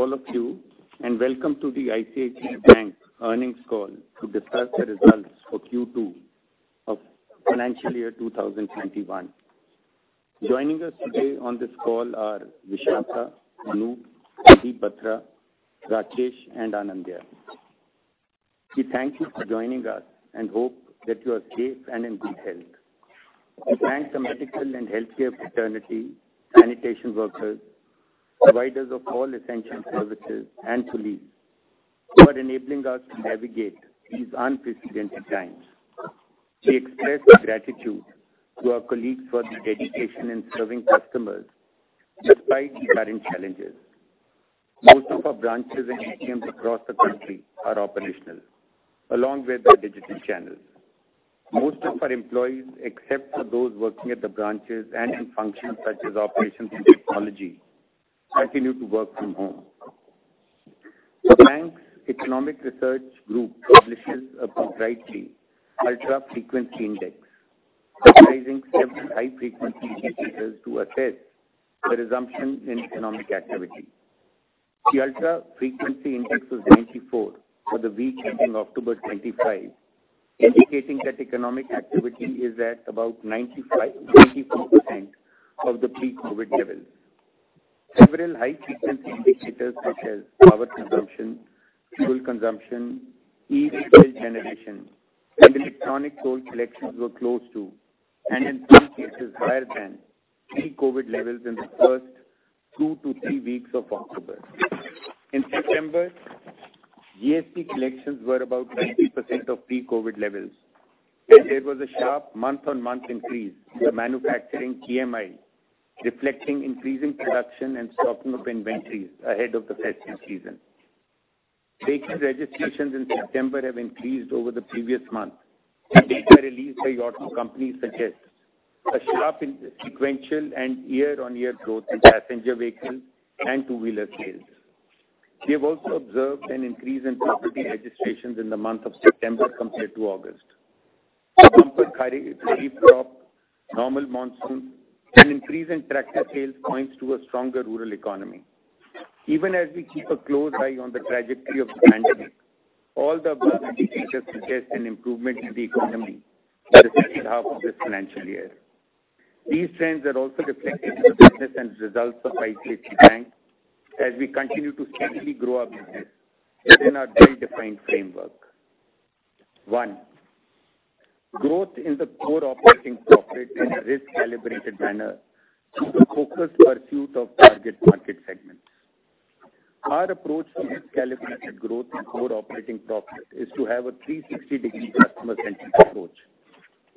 Greetings to all of you, and welcome to the ICICI Bank Earnings Call to discuss the results for Q2 of financial year 2021. Joining us today on this call are Vishakha, Anup, Sandeep Batra, Rakesh, and Anindya. We thank you for joining us and hope that you are safe and in good health. We thank the medical and healthcare fraternity, sanitation workers, providers of all essential services, and police for enabling us to navigate these unprecedented times. We express gratitude to our colleagues for the dedication in serving customers despite the current challenges. Most of our branches and ATMs across the country are operational, along with the digital channels. Most of our employees, except for those working at the branches and in functions such as operations and technology, continue to work from home. The Bank's Economic Research Group publishes a weekly ultra-high frequency index, comprising seven high-frequency indicators to assess the resumption in economic activity. The ultra-high frequency index was 94 for the week ending October 25, indicating that economic activity is at about 94% of the pre-COVID levels. Several high-frequency indicators such as power consumption, fuel consumption, e-way bill generation, and electronic toll collections were close to, and in some cases, higher than pre-COVID levels in the first two to three weeks of October. In September, GST collections were about 90% of pre-COVID levels, and there was a sharp month-on-month increase in manufacturing PMI, reflecting increasing production and stocking of inventories ahead of the festive season. Vehicle registrations in September have increased over the previous month. Data released by the auto company suggests a sharp sequential and year-on-year growth in passenger vehicles and two-wheeler sales. We have also observed an increase in property registrations in the month of September compared to August. A bumper Kharif crop, normal monsoon, and increase in tractor sales points to a stronger rural economy. Even as we keep a close eye on the trajectory of the pandemic, all the above indicators suggest an improvement in the economy for the second half of this financial year. These trends are also reflected in the business and results of ICICI Bank as we continue to steadily grow our business within our well-defined framework. One, growth in the core operating profit in a risk-calibrated manner through the focused pursuit of target market segments. Our approach to risk-calibrated growth in core operating profit is to have a 360-degree customer-centric approach,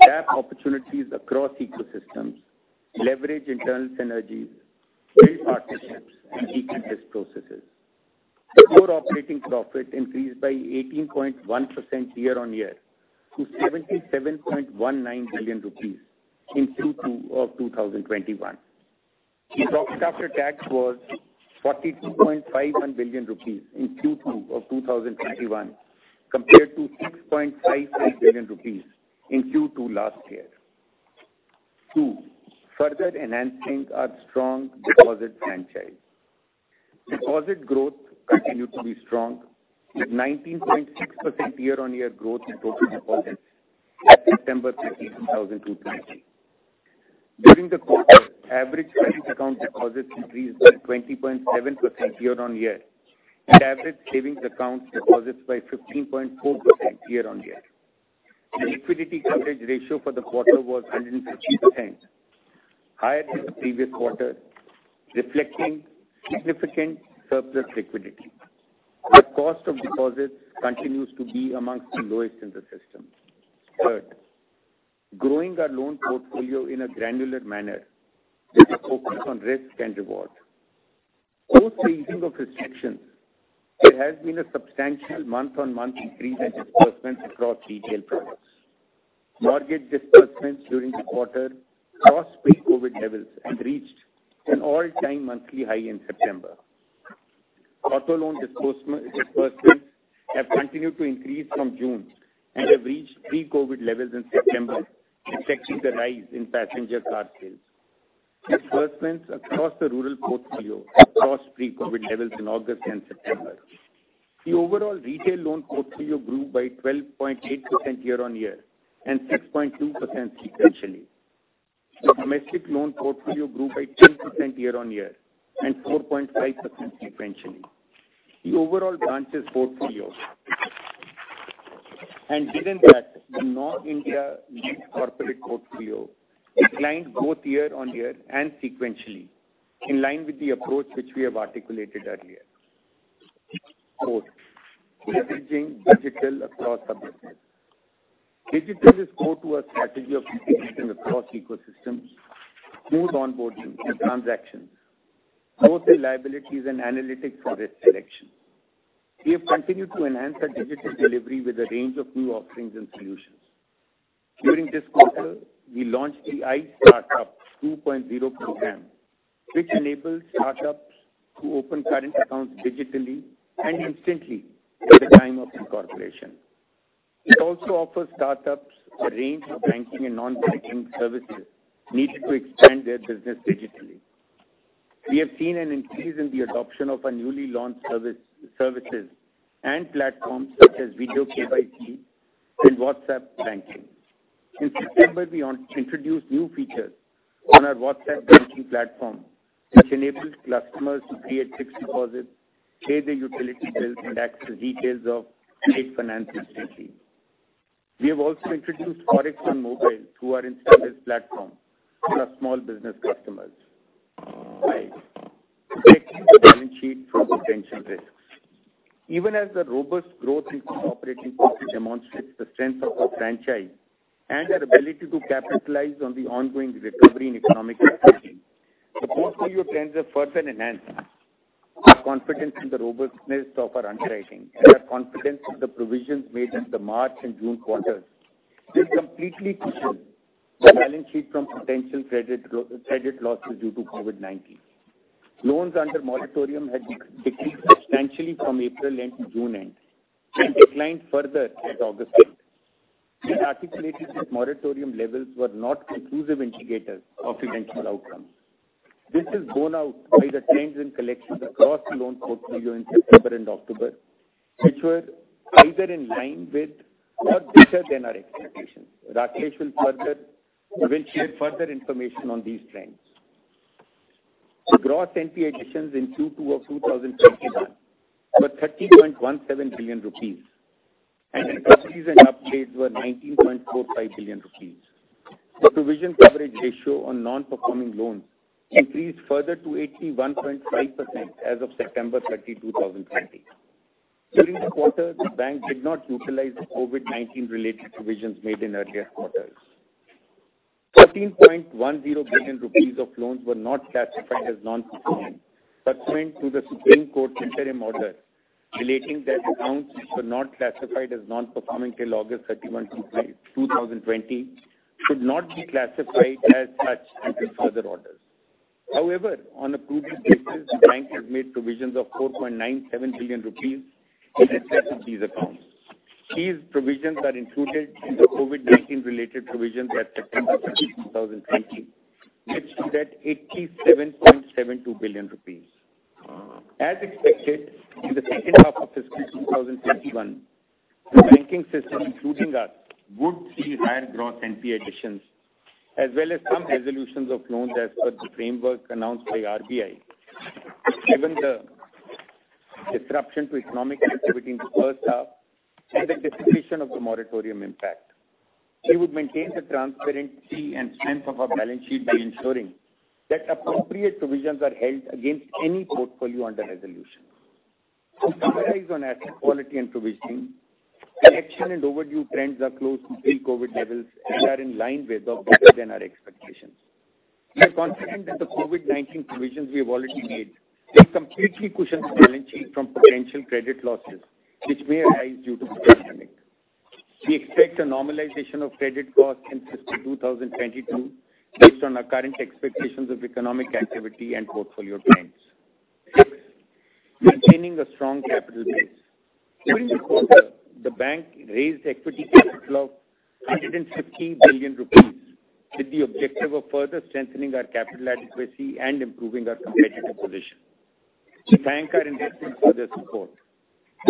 tap opportunities across ecosystems, leverage internal synergies, build partnerships, and deepen risk processes. Core operating profit increased by 18.1% year-on-year to 77.19 billion rupees in Q2 of 2021. The profit after tax was 42.51 billion rupees in Q2 of 2021, compared to 6.53 billion rupees in Q2 last year. Two, further enhancing our strong deposit franchise. Deposit growth continued to be strong, with 19.6% year-on-year growth in total deposits at September 30, 2020. During the quarter, average savings account deposits increased by 20.7% year-on-year, and average savings account deposits by 15.4% year-on-year. The liquidity coverage ratio for the quarter was 150%, higher than the previous quarter, reflecting significant surplus liquidity. The cost of deposits continues to be among the lowest in the system. Third, growing our loan portfolio in a granular manner with a focus on risk and reward. Post-easing of restrictions, there has been a substantial month-on-month increase in disbursements across retail products. Mortgage disbursements during the quarter crossed pre-COVID levels and reached an all-time monthly high in September. Auto loan disbursements have continued to increase from June and have reached pre-COVID levels in September, reflecting the rise in passenger car sales. Disbursements across the rural portfolio crossed pre-COVID levels in August and September. The overall retail loan portfolio grew by 12.8% year-on-year and 6.2% sequentially. The domestic loan portfolio grew by 10% year-on-year and 4.5% sequentially. The overall branches portfolio and within that, the North India Lease Corporate portfolio declined both year-on-year and sequentially, in line with the approach which we have articulated earlier. Fourth, leveraging digital across our business. Digital is core to our strategy of integrating across ecosystems, smooth onboarding and transactions, both reliability and analytics for risk selection. We have continued to enhance our digital delivery with a range of new offerings and solutions. During this quarter, we launched the iStartup 2.0 program, which enables startups to open current accounts digitally and instantly at the time of incorporation. It also offers startups a range of banking and non-banking services needed to expand their business digitally. We have seen an increase in the adoption of our newly launched services and platforms such as Video KYC and WhatsApp Banking. In September, we introduced new features on our WhatsApp Banking platform, which enables customers to create Fixed Deposits, pay their utility bills, and access details of trade finance statements. We have also introduced Forex on Mobile through our InstaBIZ for our small business customers. Five, protecting the balance sheet from potential risks. Even as the robust growth in core operating profit demonstrates the strength of our franchise and our ability to capitalize on the ongoing recovery in economic activity, the portfolio trends have further enhanced. Our confidence in the robustness of our underwriting and our confidence in the provisions made in the March and June quarters have completely cushioned the balance sheet from potential credit losses due to COVID-19. Loans under moratorium had decreased substantially from April end to June end and declined further at August end. We articulated these moratorium levels were not conclusive indicators of financial outcomes. This is borne out by the trends in collections across the loan portfolio in September and October, which were either in line with or better than our expectations. Rakesh will share further information on these trends. The gross NPA additions in Q2 of 2021 were 30.17 billion rupees, and recoveries and upgrades were 19.45 billion rupees. The provision coverage ratio on non-performing loans increased further to 81.5% as of September 30, 2020. During the quarter, the Bank did not utilize the COVID-19-related provisions made in earlier quarters. 14.10 billion rupees of loans were not classified as non-performing, subsequent to the Supreme Court of India interim order stating that accounts which were not classified as non-performing till August 31, 2020, should not be classified as such until further orders. However, on approved basis, the Bank has made provisions of 4.97 billion rupees in excess of these accounts. These provisions are included in the COVID-19-related provisions at September 30, 2020, which is at 87.72 billion rupees. As expected, in the second half of fiscal 2021, the banking system, including us, would see higher gross NPA additions, as well as some resolutions of loans as per the framework announced by RBI, given the disruption to economic activity in the first half and the dissipation of the moratorium impact. We would maintain the transparency and strength of our balance sheet by ensuring that appropriate provisions are held against any portfolio under resolution. To summarize on asset quality and provisioning, the collection and overdue trends are close to pre-COVID levels and are in line with or better than our expectations. We are confident that the COVID-19 provisions we have already made will completely cushion the balance sheet from potential credit losses, which may arise due to the pandemic. We expect a normalization of credit costs in fiscal 2022 based on our current expectations of economic activity and portfolio trends. Sixth, maintaining a strong capital base. During the quarter, the Bank raised equity capital of 150 billion rupees with the objective of further strengthening our capital adequacy and improving our competitive position. We thank our investors for their support.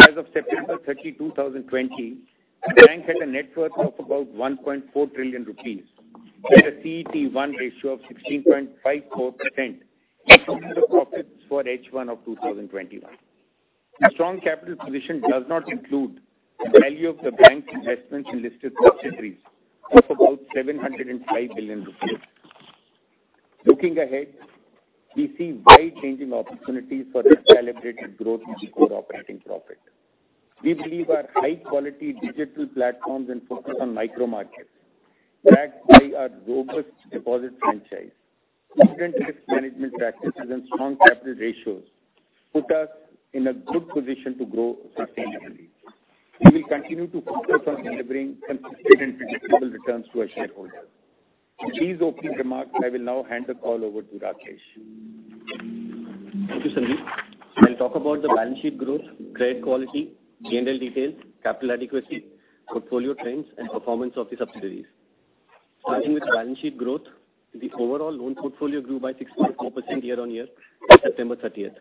As of September 30, 2020, the Bank had a net worth of about 1.4 trillion rupees and a CET1 ratio of 16.54%, including the profits for H1 of 2021. The strong capital position does not include the value of the Bank's investments in listed subsidiaries, of about 705 billion rupees. Looking ahead, we see wide-ranging opportunities for recalibrated growth in the core operating profit. We believe our high-quality digital platforms and focus on micro-markets backed by our robust deposit franchise, prudent risk management practices, and strong capital ratios put us in a good position to grow sustainably. We will continue to focus on delivering consistent and predictable returns to our shareholders. With these opening remarks, I will now hand the call over to Rakesh. Thank you, Sandeep. I'll talk about the balance sheet growth, credit quality, general details, capital adequacy, portfolio trends, and performance of the subsidiaries. Starting with the balance sheet growth, the overall loan portfolio grew by 6.4% year-on-year on September 30th.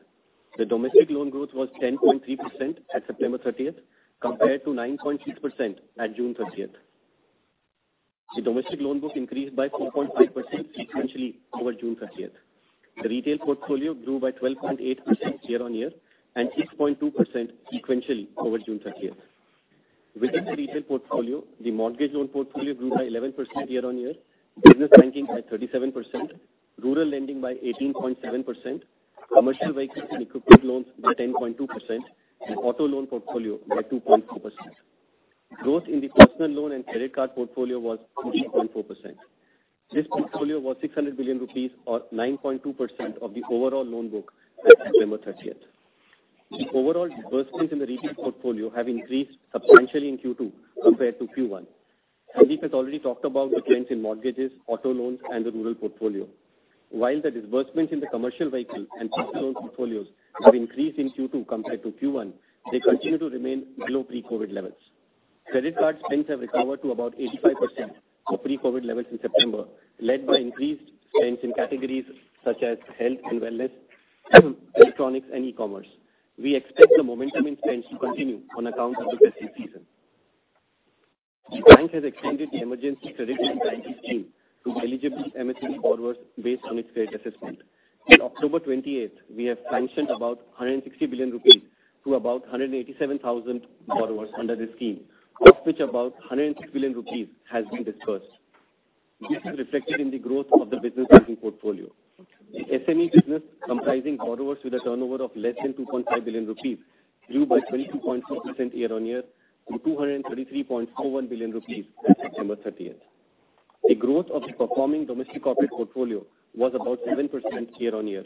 The domestic loan growth was 10.3% at September 30th compared to 9.6% at June 30th. The domestic loan book increased by 4.5% sequentially over June 30th. The retail portfolio grew by 12.8% year-on-year and 6.2% sequentially over June 30th. Within the retail portfolio, the mortgage loan portfolio grew by 11% year-on-year, business banking by 37%, rural lending by 18.7%, commercial vehicles and equipment loans by 10.2%, and auto loan portfolio by 2.4%. Growth in the personal loan and credit card portfolio was 14.4%. This portfolio was 600 billion rupees or 9.2% of the overall loan book at September 30th. The overall disbursements in the retail portfolio have increased substantially in Q2 compared to Q1. Sandeep has already talked about the trends in mortgages, auto loans, and the rural portfolio. While the disbursements in the commercial vehicle and personal loan portfolios have increased in Q2 compared to Q1, they continue to remain below pre-COVID levels. Credit card spends have recovered to about 85% of pre-COVID levels in September, led by increased spends in categories such as health and wellness, electronics, and e-commerce. We expect the momentum in spends to continue on account of the festive season. The Bank has extended the Emergency Credit Line Guarantee Scheme to eligible MSME borrowers based on its credit assessment. On October 28th, we have sanctioned about 160 billion rupees to about 187,000 borrowers under the scheme, of which about 106 billion rupees has been disbursed. This is reflected in the growth of the business banking portfolio. The SME business, comprising borrowers with a turnover of less than 2.5 billion rupees, grew by 22.4% year-on-year to 233.41 billion rupees at September 30th. The growth of the performing domestic corporate portfolio was about 7% year-on-year.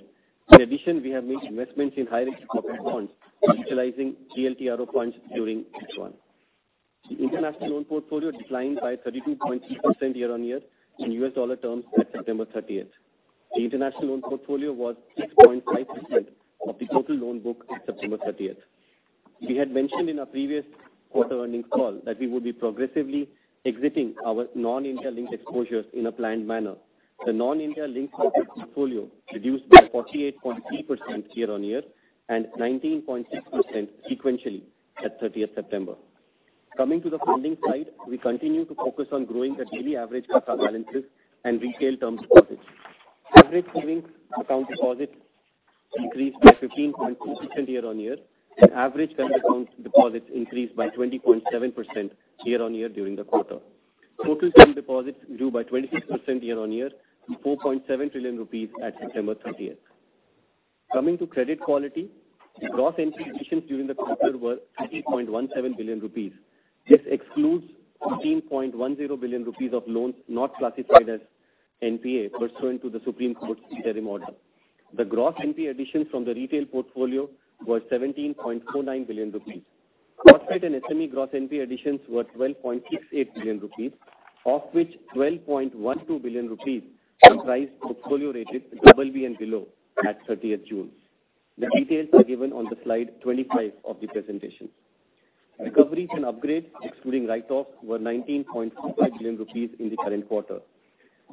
In addition, we have made investments in high-risk corporate bonds, utilizing TLTRO funds during H1. The international loan portfolio declined by 32.6% year-on-year in U.S. dollar terms at September 30th. The international loan portfolio was 6.5% of the total loan book at September 30th. We had mentioned in our previous quarter earnings call that we would be progressively exiting our non-India linked exposures in a planned manner. The non-India linked portfolio reduced by 48.3% year-on-year and 19.6% sequentially at 30th September. Coming to the funding side, we continue to focus on growing the daily average CASA balances and retail term deposits. Average savings account deposits increased by 15.2% year-on-year, and average current account deposits increased by 20.7% year-on-year during the quarter. Total savings deposits grew by 26% year-on-year to 4.7 trillion rupees at September 30th. Coming to credit quality, the gross NPA additions during the quarter were 30.17 billion rupees. This excludes 14.10 billion rupees of loans not classified as NPA pursuant to the Supreme Court's interim order. The gross NPA additions from the retail portfolio were 17.49 billion rupees. Corporate and SME gross NPA additions were 12.68 billion rupees, of which 12.12 billion rupees comprised portfolio rated BB and Below at 30th June. The details are given on slide 25 of the presentation. Recoveries and upgrades, excluding write-offs, were 19.45 billion rupees in the current quarter.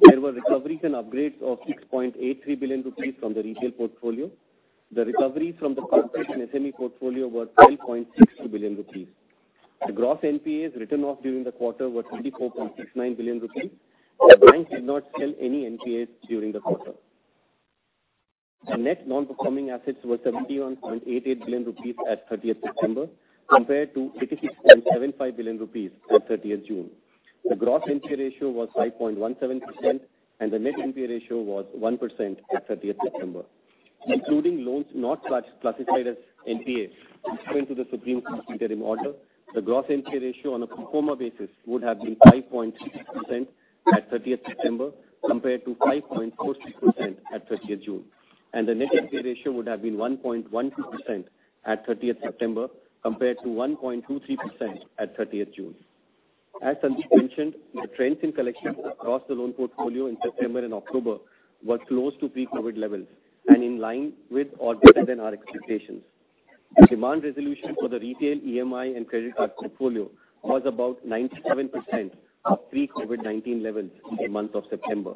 There were recoveries and upgrades of 6.83 billion rupees from the retail portfolio. The recoveries from the corporate and SME portfolio were 12.62 billion rupees. The gross NPAs written off during the quarter were 24.69 billion rupees. The Bank did not sell any NPAs during the quarter. The net non-performing assets were 71.88 billion rupees at 30th September compared to 86.75 billion rupees at 30th June. The gross NPA ratio was 5.17%, and the net NPA ratio was 1% at 30th September. Including loans not classified as NPA according to the Supreme Court interim order, the gross NPA ratio on a pro forma basis would have been 5.6% at 30th September compared to 5.46% at 30th June, and the net NPA ratio would have been 1.12% at 30th September compared to 1.23% at 30th June. As Sandeep mentioned, the trends in collections across the loan portfolio in September and October were close to pre-COVID levels and in line with or better than our expectations. Demand resolution for the retail, EMI, and credit card portfolio was about 97% of pre-COVID-19 levels in the month of September.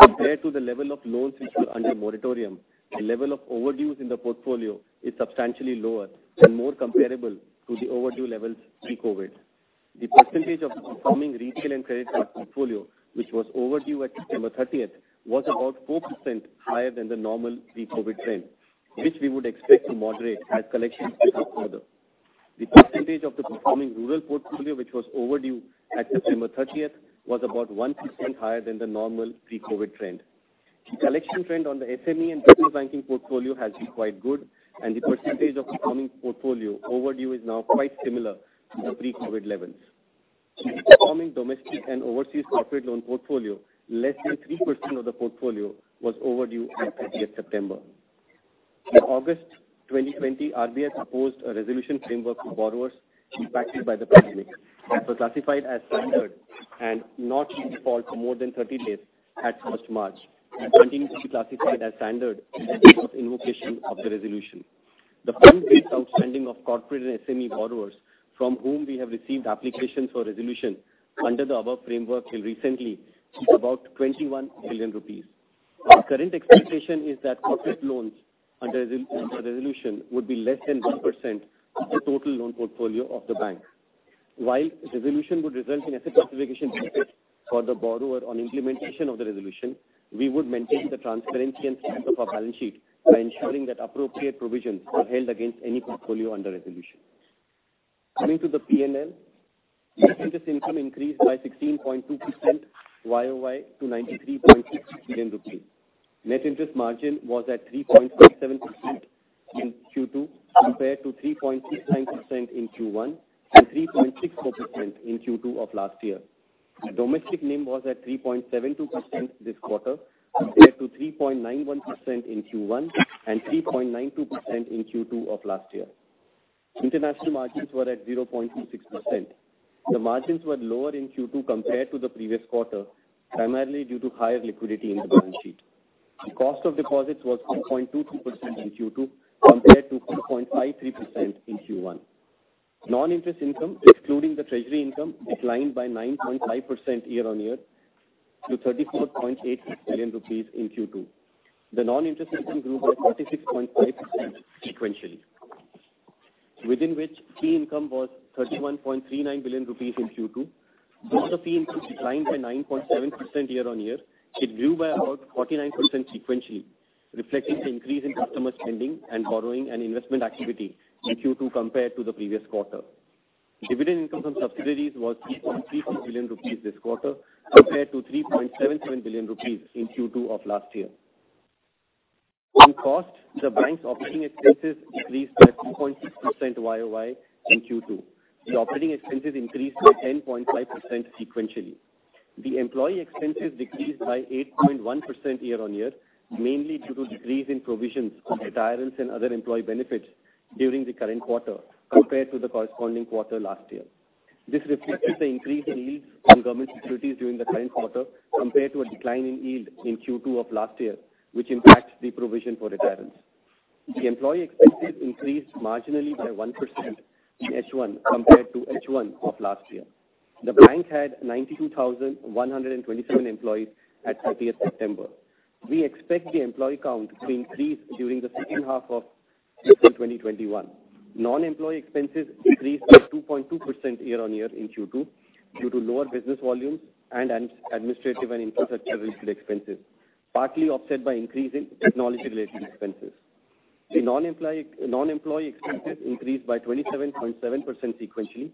Compared to the level of loans which were under moratorium, the level of overdue in the portfolio is substantially lower and more comparable to the overdue levels pre-COVID. The percentage of the performing retail and credit card portfolio, which was overdue at September 30th, was about 4% higher than the normal pre-COVID trend, which we would expect to moderate as collections pick up further. The percentage of the performing rural portfolio, which was overdue at September 30th, was about 1% higher than the normal pre-COVID trend. The collection trend on the SME and business banking portfolio has been quite good, and the percentage of the performing portfolio overdue is now quite similar to the pre-COVID levels. In the performing domestic and overseas corporate loan portfolio, less than 3% of the portfolio was overdue at 30th September. In August 2020, RBI proposed a resolution framework for borrowers impacted by the pandemic that was classified as standard and not in default for more than 30 days at 1st March. It continues to be classified as standard in the course of invocation of the resolution. The funds based outstanding of corporate and SME borrowers from whom we have received applications for resolution under the above framework till recently is about 21 billion rupees. Our current expectation is that corporate loans under resolution would be less than 1% of the total loan portfolio of the Bank. While resolution would result in asset classification benefits for the borrower on implementation of the resolution, we would maintain the transparency and strength of our balance sheet by ensuring that appropriate provisions are held against any portfolio under resolution. Coming to the P&L, net interest income increased by 16.2% YOY to 93.66 billion rupees. Net interest margin was at 3.57% in Q2 compared to 3.69% in Q1 and 3.64% in Q2 of last year. The domestic NIM was at 3.72% this quarter compared to 3.91% in Q1 and 3.92% in Q2 of last year. International margins were at 0.26%. The margins were lower in Q2 compared to the previous quarter, primarily due to higher liquidity in the balance sheet. The cost of deposits was 4.22% in Q2 compared to 4.53% in Q1. Non-interest income, excluding the treasury income, declined by 9.5% year-on-year to 34.86 billion rupees in Q2. The non-interest income grew by 46.5% sequentially, within which fee income was 31.39 billion rupees in Q2. Though the fee income declined by 9.7% year-on-year, it grew by about 49% sequentially, reflecting the increase in customer spending and borrowing and investment activity in Q2 compared to the previous quarter. Dividend income from subsidiaries was 3.36 billion rupees this quarter compared to 3.77 billion rupees in Q2 of last year. In cost, the Bank's operating expenses decreased by 4.6% YOY in Q2. The operating expenses increased by 10.5% sequentially. The employee expenses decreased by 8.1% year-on-year, mainly due to decrease in provisions of retirements and other employee benefits during the current quarter compared to the corresponding quarter last year. This reflects the increase in yields on government securities during the current quarter compared to a decline in yield in Q2 of last year, which impacts the provision for retirements. The employee expenses increased marginally by 1% in H1 compared to H1 of last year. The Bank had 92,127 employees at 30th September. We expect the employee count to increase during the second half of 2021. Non-employee expenses decreased by 2.2% year-on-year in Q2 due to lower business volumes and administrative and infrastructure-related expenses, partly offset by increase in technology-related expenses. The non-employee expenses increased by 27.7% sequentially,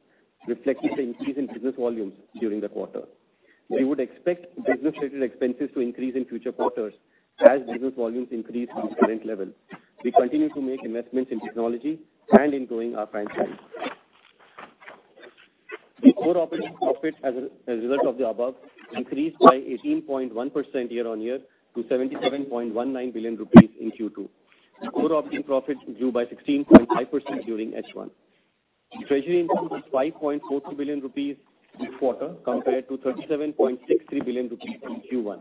reflecting the increase in business volumes during the quarter. We would expect business-related expenses to increase in future quarters as business volumes increase to the current level. We continue to make investments in technology and in growing our franchise. The core operating profit as a result of the above increased by 18.1% year-on-year to 77.19 billion rupees in Q2. The core operating profit grew by 16.5% during H1. The treasury income was 5.42 billion rupees this quarter compared to 37.63 billion rupees in Q1.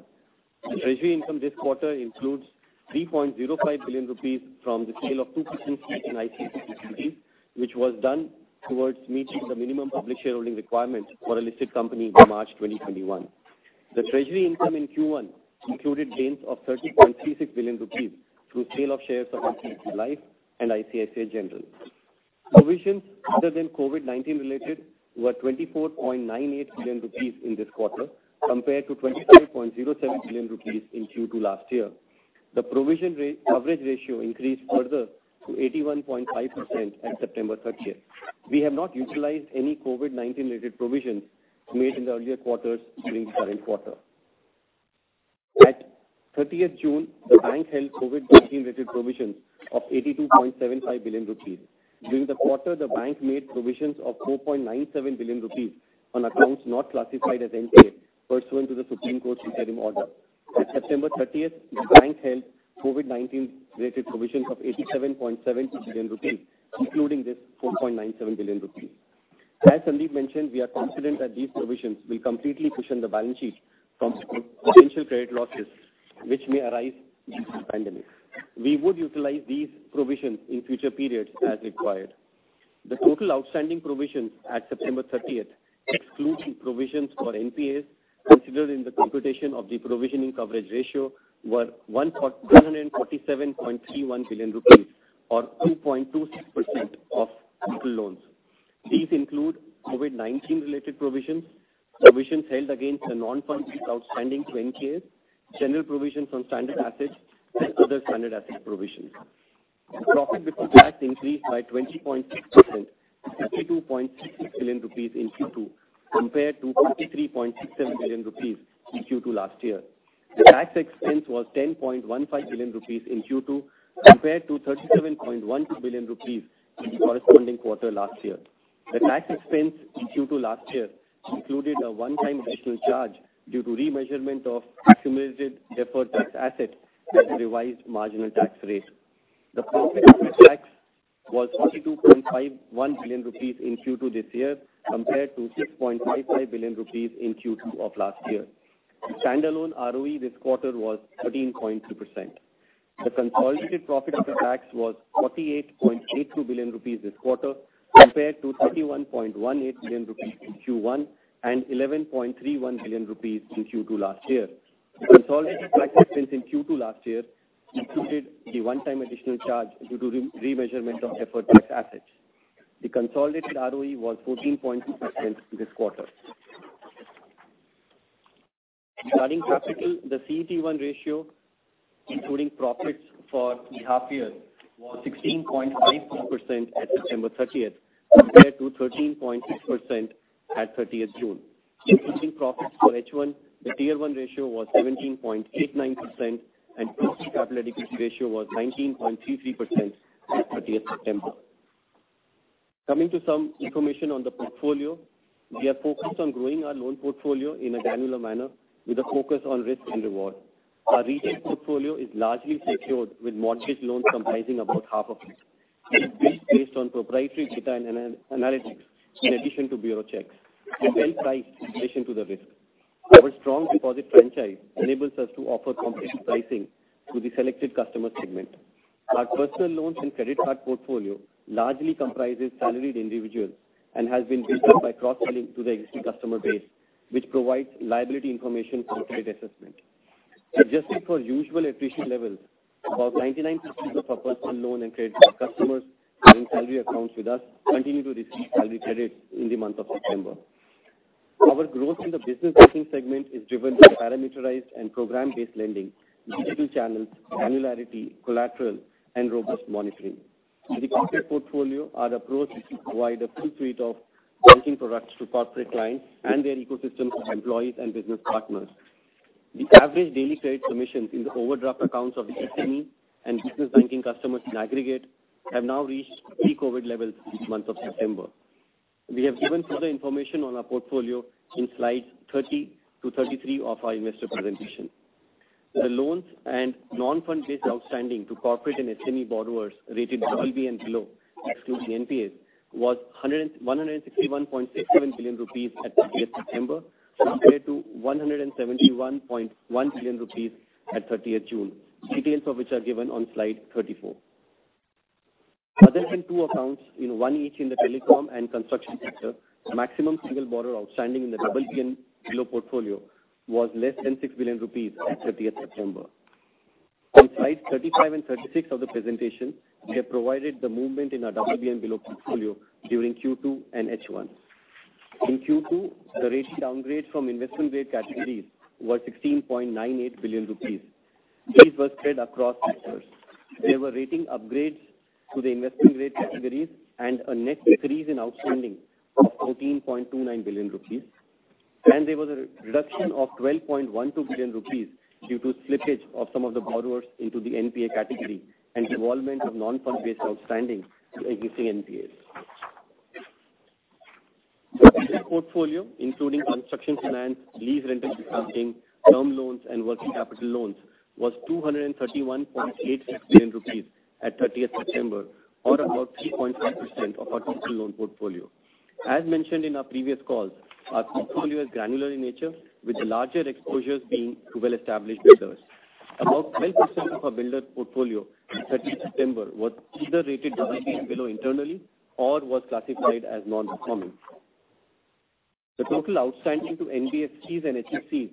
The treasury income this quarter includes 3.05 billion rupees from the sale of two businesses in ICICI Securities, which was done towards meeting the minimum public shareholding requirement for a listed company in March 2021. The treasury income in Q1 included gains of 30.36 billion rupees through sale of shares of ICICI Life and ICICI General. Provisions other than COVID-19 related were 24.98 billion rupees in this quarter compared to 25.07 billion rupees in Q2 last year. The provision coverage ratio increased further to 81.5% at September 30th. We have not utilized any COVID-19-related provisions made in the earlier quarters during the current quarter. At 30th June, the Bank held COVID-19-related provisions of 82.75 billion rupees. During the quarter, the Bank made provisions of 4.97 billion rupees on accounts not classified as NPA pursuant to the Supreme Court interim order. At September 30th, the Bank held COVID-19-related provisions of 87.72 billion rupees, including this 4.97 billion rupees. As Sandeep mentioned, we are confident that these provisions will completely cushion the balance sheet from potential credit losses which may arise due to the pandemic. We would utilize these provisions in future periods as required. The total outstanding provisions at September 30th, excluding provisions for NPAs considered in the computation of the provisioning coverage ratio, were 147.31 billion rupees or 2.26% of total loans. These include COVID-19-related provisions, provisions held against the non-funding outstanding to NPAs, general provisions on standard assets, and other standard asset provisions. The profit before tax increased by 20.6% to 32.66 billion rupees in Q2 compared to 43.67 billion rupees in Q2 last year. The tax expense was 10.15 billion rupees in Q2 compared to 37.12 billion rupees in the corresponding quarter last year. The tax expense in Q2 last year included a one-time additional charge due to remeasurement of accumulated deferred tax asset at the revised marginal tax rate. The profit after tax was 42.51 billion rupees in Q2 this year compared to 6.55 billion rupees in Q2 of last year. The standalone ROE this quarter was 13.2%. The consolidated profit after tax was 48.82 billion rupees this quarter compared to 31.18 billion rupees in Q1 and 11.31 billion rupees in Q2 last year. The consolidated tax expense in Q2 last year included the one-time additional charge due to remeasurement of deferred tax assets. The consolidated ROE was 14.2% this quarter. Regarding capital, the CET1 ratio, including profits for the half-year, was 16.54% at September 30th compared to 13.6% at 30th June. Including profits for H1, the Tier 1 ratio was 17.89%, and the capital adequacy ratio was 19.33% at 30th September. Coming to some information on the portfolio, we have focused on growing our loan portfolio in a granular manner with a focus on risk and reward. Our retail portfolio is largely secured with mortgage loans comprising about half of it. It is built based on proprietary data and analytics in addition to bureau checks. We've well-priced in addition to the risk. Our strong deposit franchise enables us to offer competitive pricing to the selected customer segment. Our personal loans and credit card portfolio largely comprises salaried individuals and has been built up by cross-selling to the existing customer base, which provides liability information for credit assessment. Adjusted for usual attrition levels, about 99% of our personal loan and credit card customers having salary accounts with us continue to receive salary credits in the month of September. Our growth in the business banking segment is driven by parameterized and program-based lending, digital channels, granularity, collateral, and robust monitoring. With the corporate portfolio, our approach provides a full suite of banking products to corporate clients and their ecosystem of employees and business partners. The average daily credit submissions in the overdraft accounts of the SME and business banking customers in aggregate have now reached pre-COVID levels this month of September. We have given further information on our portfolio in slides 30 to 33 of our investor presentation. The loans and non-fund-based outstanding to corporate and SME borrowers rated BB and below, excluding NPAs, was 161.67 billion rupees at 30th September compared to 171.1 billion rupees at 30th June, details of which are given on slide 34. Other than two accounts, one each in the telecom and construction sector, maximum single borrower outstanding in the BB and below portfolio was less than 6 billion rupees at 30th September. On slides 35 and 36 of the presentation, we have provided the movement in our BB and below portfolio during Q2 and H1. In Q2, the rating downgrades from investment-grade categories were 16.98 billion rupees. These were spread across sectors. There were rating upgrades to the investment-grade categories and a net increase in outstanding of 14.29 billion rupees. And there was a reduction of 12.12 billion rupees due to slippage of some of the borrowers into the NPA category and involvement of non-fund-based outstanding to existing NPAs. The total portfolio, including construction finance, Lease Rental Discounting, term loans, and working capital loans, was 231.86 billion rupees at 30th September, or about 3.5% of our total loan portfolio. As mentioned in our previous calls, our portfolio is granular in nature, with the larger exposures being to well-established builders. About 12% of our builder portfolio in 30th September was either rated BB and below internally or was classified as non-performing. The total outstanding to NBFCs and HFCs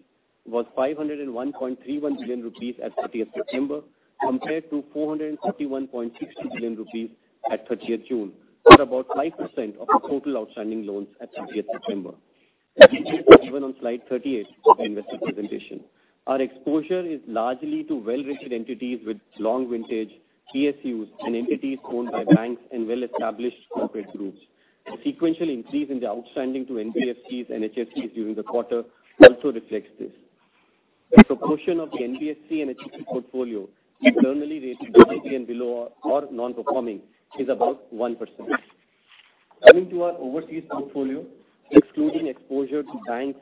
was 501.31 billion rupees at 30th September compared to 431.62 billion rupees at 30th June, or about 5% of the total outstanding loans at 30th September. As given on slide 38 of the investor presentation, our exposure is largely to well-rated entities with long vintage, PSUs, and entities owned by banks and well-established corporate groups. The sequential increase in the outstanding to NBFCs and HFCs during the quarter also reflects this. The proportion of the NBFC and HFC portfolio internally rated BB and below or non-performing is about 1%. Coming to our overseas portfolio, excluding exposure to banks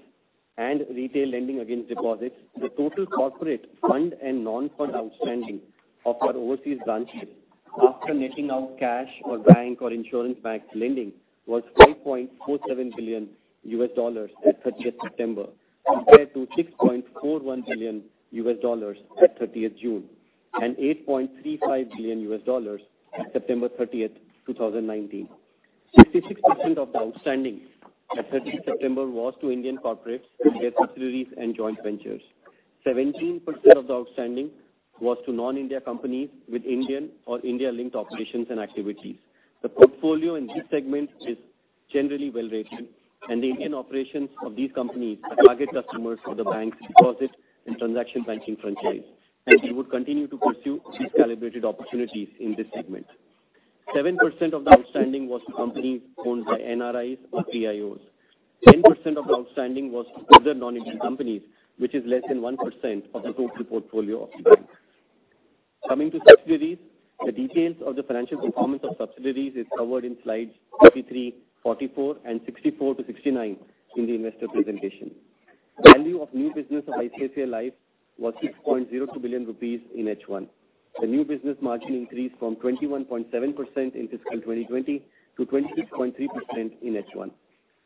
and retail lending against deposits, the total corporate fund and non-fund outstanding of our overseas branches, after netting out cash or bank or inter-bank lending, was $5.47 billion at 30th September compared to $6.41 billion at 30th June and $8.35 billion at September 30th, 2019. 66% of the outstanding at 30th September was to Indian corporates via subsidiaries and joint ventures. 17% of the outstanding was to non-Indian companies with Indian or India-linked operations and activities. The portfolio in this segment is generally well-rated, and the Indian operations of these companies are target customers of the Bank's deposit and transaction banking franchise, and we would continue to pursue these calibrated opportunities in this segment. 7% of the outstanding was to companies owned by NRIs or PIOs. 10% of the outstanding was to other non-Indian companies, which is less than 1% of the total portfolio of the Bank. Coming to subsidiaries, the details of the financial performance of subsidiaries is covered in slides 33, 44, and 64 to 69 in the investor presentation. Value of new business of ICICI Life was 6.02 billion rupees in H1. The new business margin increased from 21.7% in fiscal 2020 to 26.3% in H1.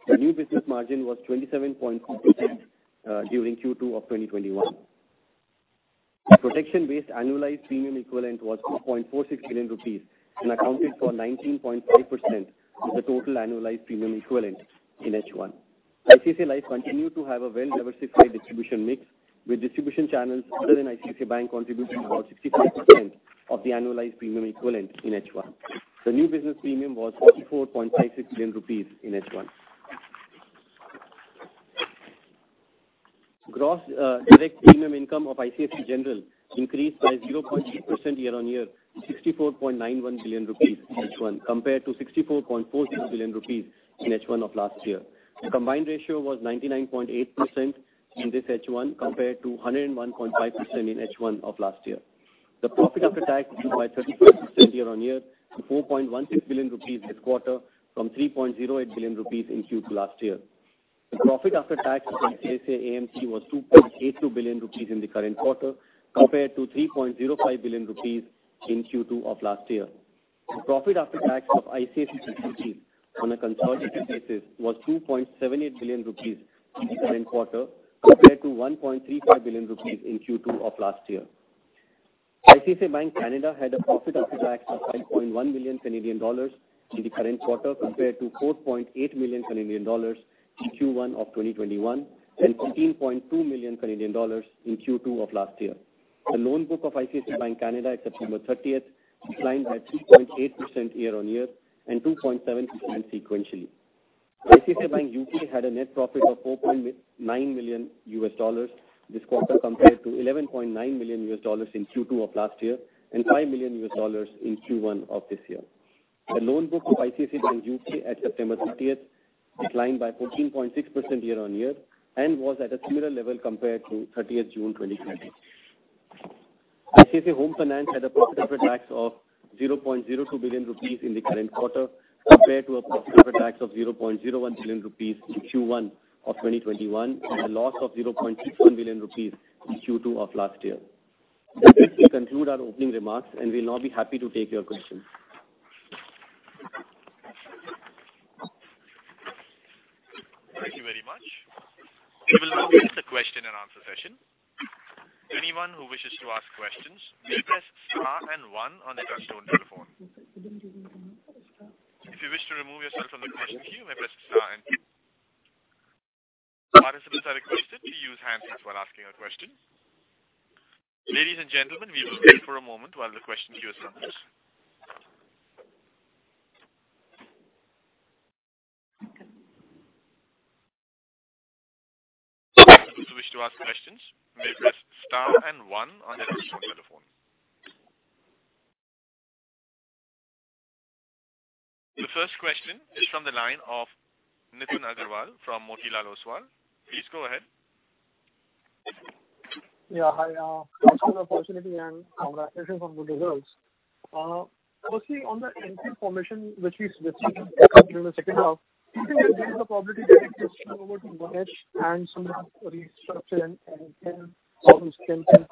The new business margin was 27.2% during Q2 of 2021. The protection-based annualized premium equivalent was 2.46 billion rupees and accounted for 19.5% of the total annualized premium equivalent in H1. ICICI Life continued to have a well-diversified distribution mix with distribution channels other than ICICI Bank contributing about 65% of the annualized premium equivalent in H1. The new business premium was 44.56 billion rupees in H1. Gross direct premium income of ICICI General increased by 0.2% year-on-year to 64.91 billion rupees in H1 compared to 64.46 billion rupees in H1 of last year. The combined ratio was 99.8% in this H1 compared to 101.5% in H1 of last year. The profit after tax increased by 35% year-on-year to 4.16 billion rupees this quarter from 3.08 billion rupees in Q2 last year. The profit after tax of ICICI AMC was 2.82 billion rupees in the current quarter compared to 3.05 billion rupees in Q2 of last year. The profit after tax of ICICI AMC on a consolidated basis was 2.78 billion rupees in the current quarter compared to 1.35 billion rupees in Q2 of last year. ICICI Bank Canada had a profit after tax of 5.1 million Canadian dollars in the current quarter compared to 4.8 million Canadian dollars in Q1 of 2021 and 14.2 million Canadian dollars in Q2 of last year. The loan book of ICICI Bank Canada at September 30th declined by 3.8% year-on-year and 2.7% sequentially. ICICI Bank U.K. had a net profit of $4.9 million this quarter compared to $11.9 million in Q2 of last year and $5 million in Q1 of this year. The loan book of ICICI Bank U.K. at September 30th declined by 14.6% year-on-year and was at a similar level compared to 30th June 2020. ICICI Home Finance had a profit after tax of 0.02 billion rupees in the current quarter compared to a profit after tax of 0.01 billion rupees in Q1 of 2021 and a loss of 0.61 billion rupees in Q2 of last year. With this, we conclude our opening remarks and we'll now be happy to take your questions. Thank you very much. We will now begin the question and answer session. Anyone who wishes to ask questions may press star and one on the touch-tone telephone. If you wish to remove yourself from the question queue, may press star and two. Participants are requested to use handsets while asking a question. Ladies and gentlemen, we will wait for a moment while the question queue is populated. If you wish to ask questions, may press star and one on the touch-tone telephone. The first question is from the line of Nitin Aggarwal from Motilal Oswal. Please go ahead. Yeah, hi. I'm from the opportunity. Congratulations on the results. Firstly, on the NPA formation which we suggested during the second half, do you think there is a probability that it will swing over to one edge and some restructure and can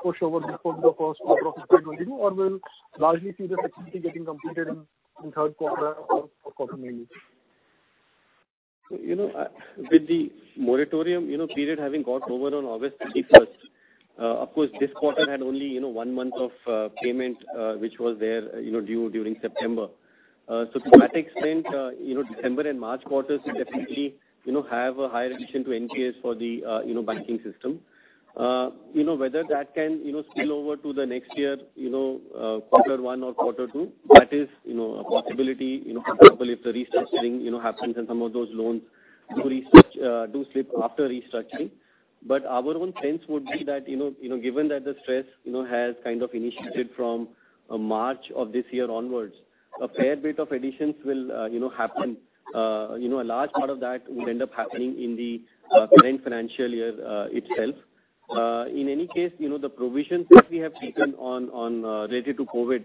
push over before the first quarter of 2022, or we'll largely see the flexibility getting completed in third quarter or fourth quarter mainly? With the moratorium period having gone over on August 31st, of course, this quarter had only one month of payment which was there due during September. So to that extent, December and March quarters definitely have a higher addition to NPAs for the banking system. Whether that can spill over to the next year, quarter one or quarter two, that is a possibility if the restructuring happens and some of those loans do slip after restructuring. But our own sense would be that given that the stress has kind of initiated from March of this year onwards, a fair bit of additions will happen. A large part of that will end up happening in the current financial year itself. In any case, the provisions that we have taken on related to COVID,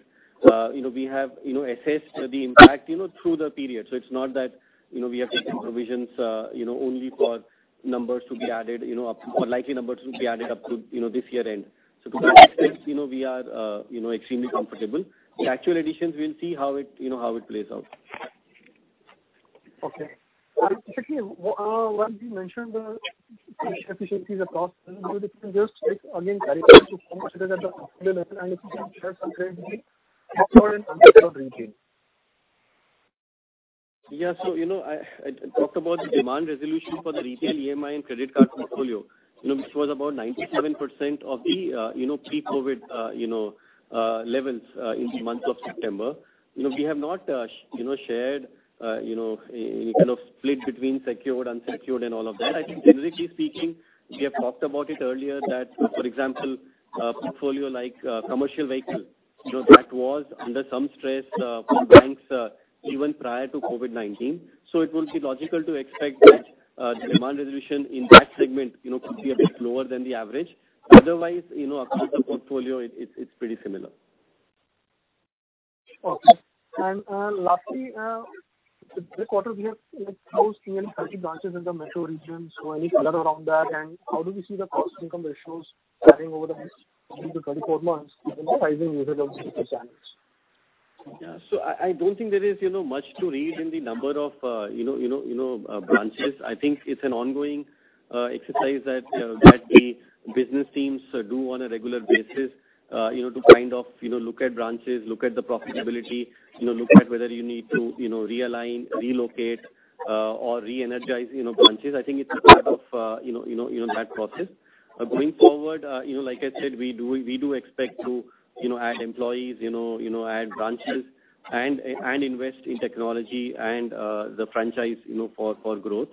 we have assessed the impact through the period. So it's not that we have taken provisions only for numbers to be added, or likely numbers to be added up to this year-end. So to that extent, we are extremely comfortable. The actual additions, we'll see how it plays out. Okay. Specifically, when we mentioned the efficiencies across the different years, again, can you also consider that the portfolio level and if you can share some credit details? Yeah, so I talked about the demand resolution for the retail EMI and credit card portfolio, which was about 97% of the pre-COVID levels in the month of September. We have not shared any kind of split between secured, unsecured, and all of that. I think generally speaking, we have talked about it earlier that, for example, a portfolio like commercial vehicle, that was under some stress for banks even prior to COVID-19. So it would be logical to expect that the demand resolution in that segment could be a bit lower than the average. Otherwise, across the portfolio, it's pretty similar. Okay. And lastly, the quarter we have closed nearly 30 branches in the metro region. So any color around that? And how do we see the cost-income ratios spanning over the next 10-24 months given the sizing usage of the channels? Yeah. So I don't think there is much to read in the number of branches. I think it's an ongoing exercise that the business teams do on a regular basis to kind of look at branches, look at the profitability, look at whether you need to realign, relocate, or re-energize branches. I think it's part of that process. Going forward, like I said, we do expect to add employees, add branches, and invest in technology and the franchise for growth.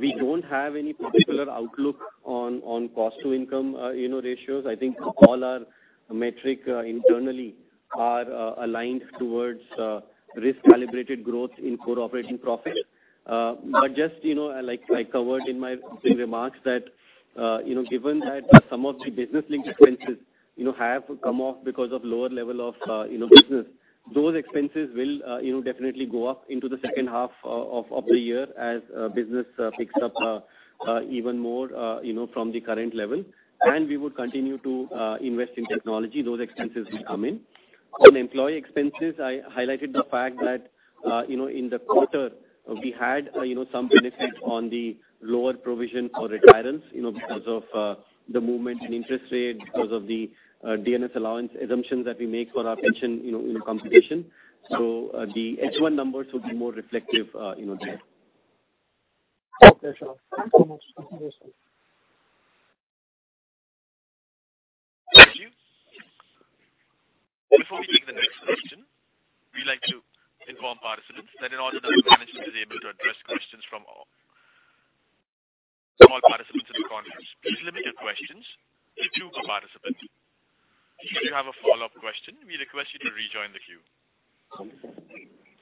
We don't have any particular outlook on cost-to-income ratios. I think all our metric internally are aligned towards risk-calibrated growth in core operating profit. But just like I covered in my remarks that given that some of the business-linked expenses have come off because of lower level of business, those expenses will definitely go up into the second half of the year as business picks up even more from the current level. And we would continue to invest in technology. Those expenses will come in. On employee expenses, I highlighted the fact that in the quarter, we had some benefit on the lower provision for retirees because of the movement in interest rate, because of the dearness allowance assumptions that we make for our pension computation. So the H1 numbers would be more reflective there. Okay, sure. Thank you very much. Thank you, sir. Before we take the next question, we'd like to inform participants that in order to manage to be able to address questions from all participants in the conference, please limit your questions to two per participant. If you have a follow-up question, we request you to rejoin the queue.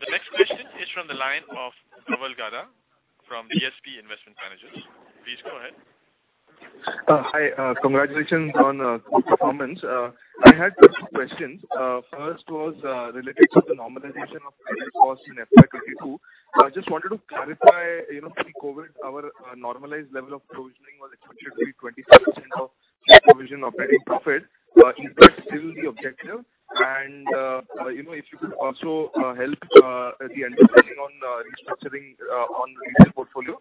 The next question is from the line of Dhaval Gada from DSP Investment Managers. Please go ahead. Hi. Congratulations on good performance. I had two questions. First was related to the normalization of cost in FY22. I just wanted to clarify pre-COVID, our normalized level of provisioning was expected to be 25% of provision operating profit. Is that still the objective? And if you could also help the understanding on restructuring on the retail portfolio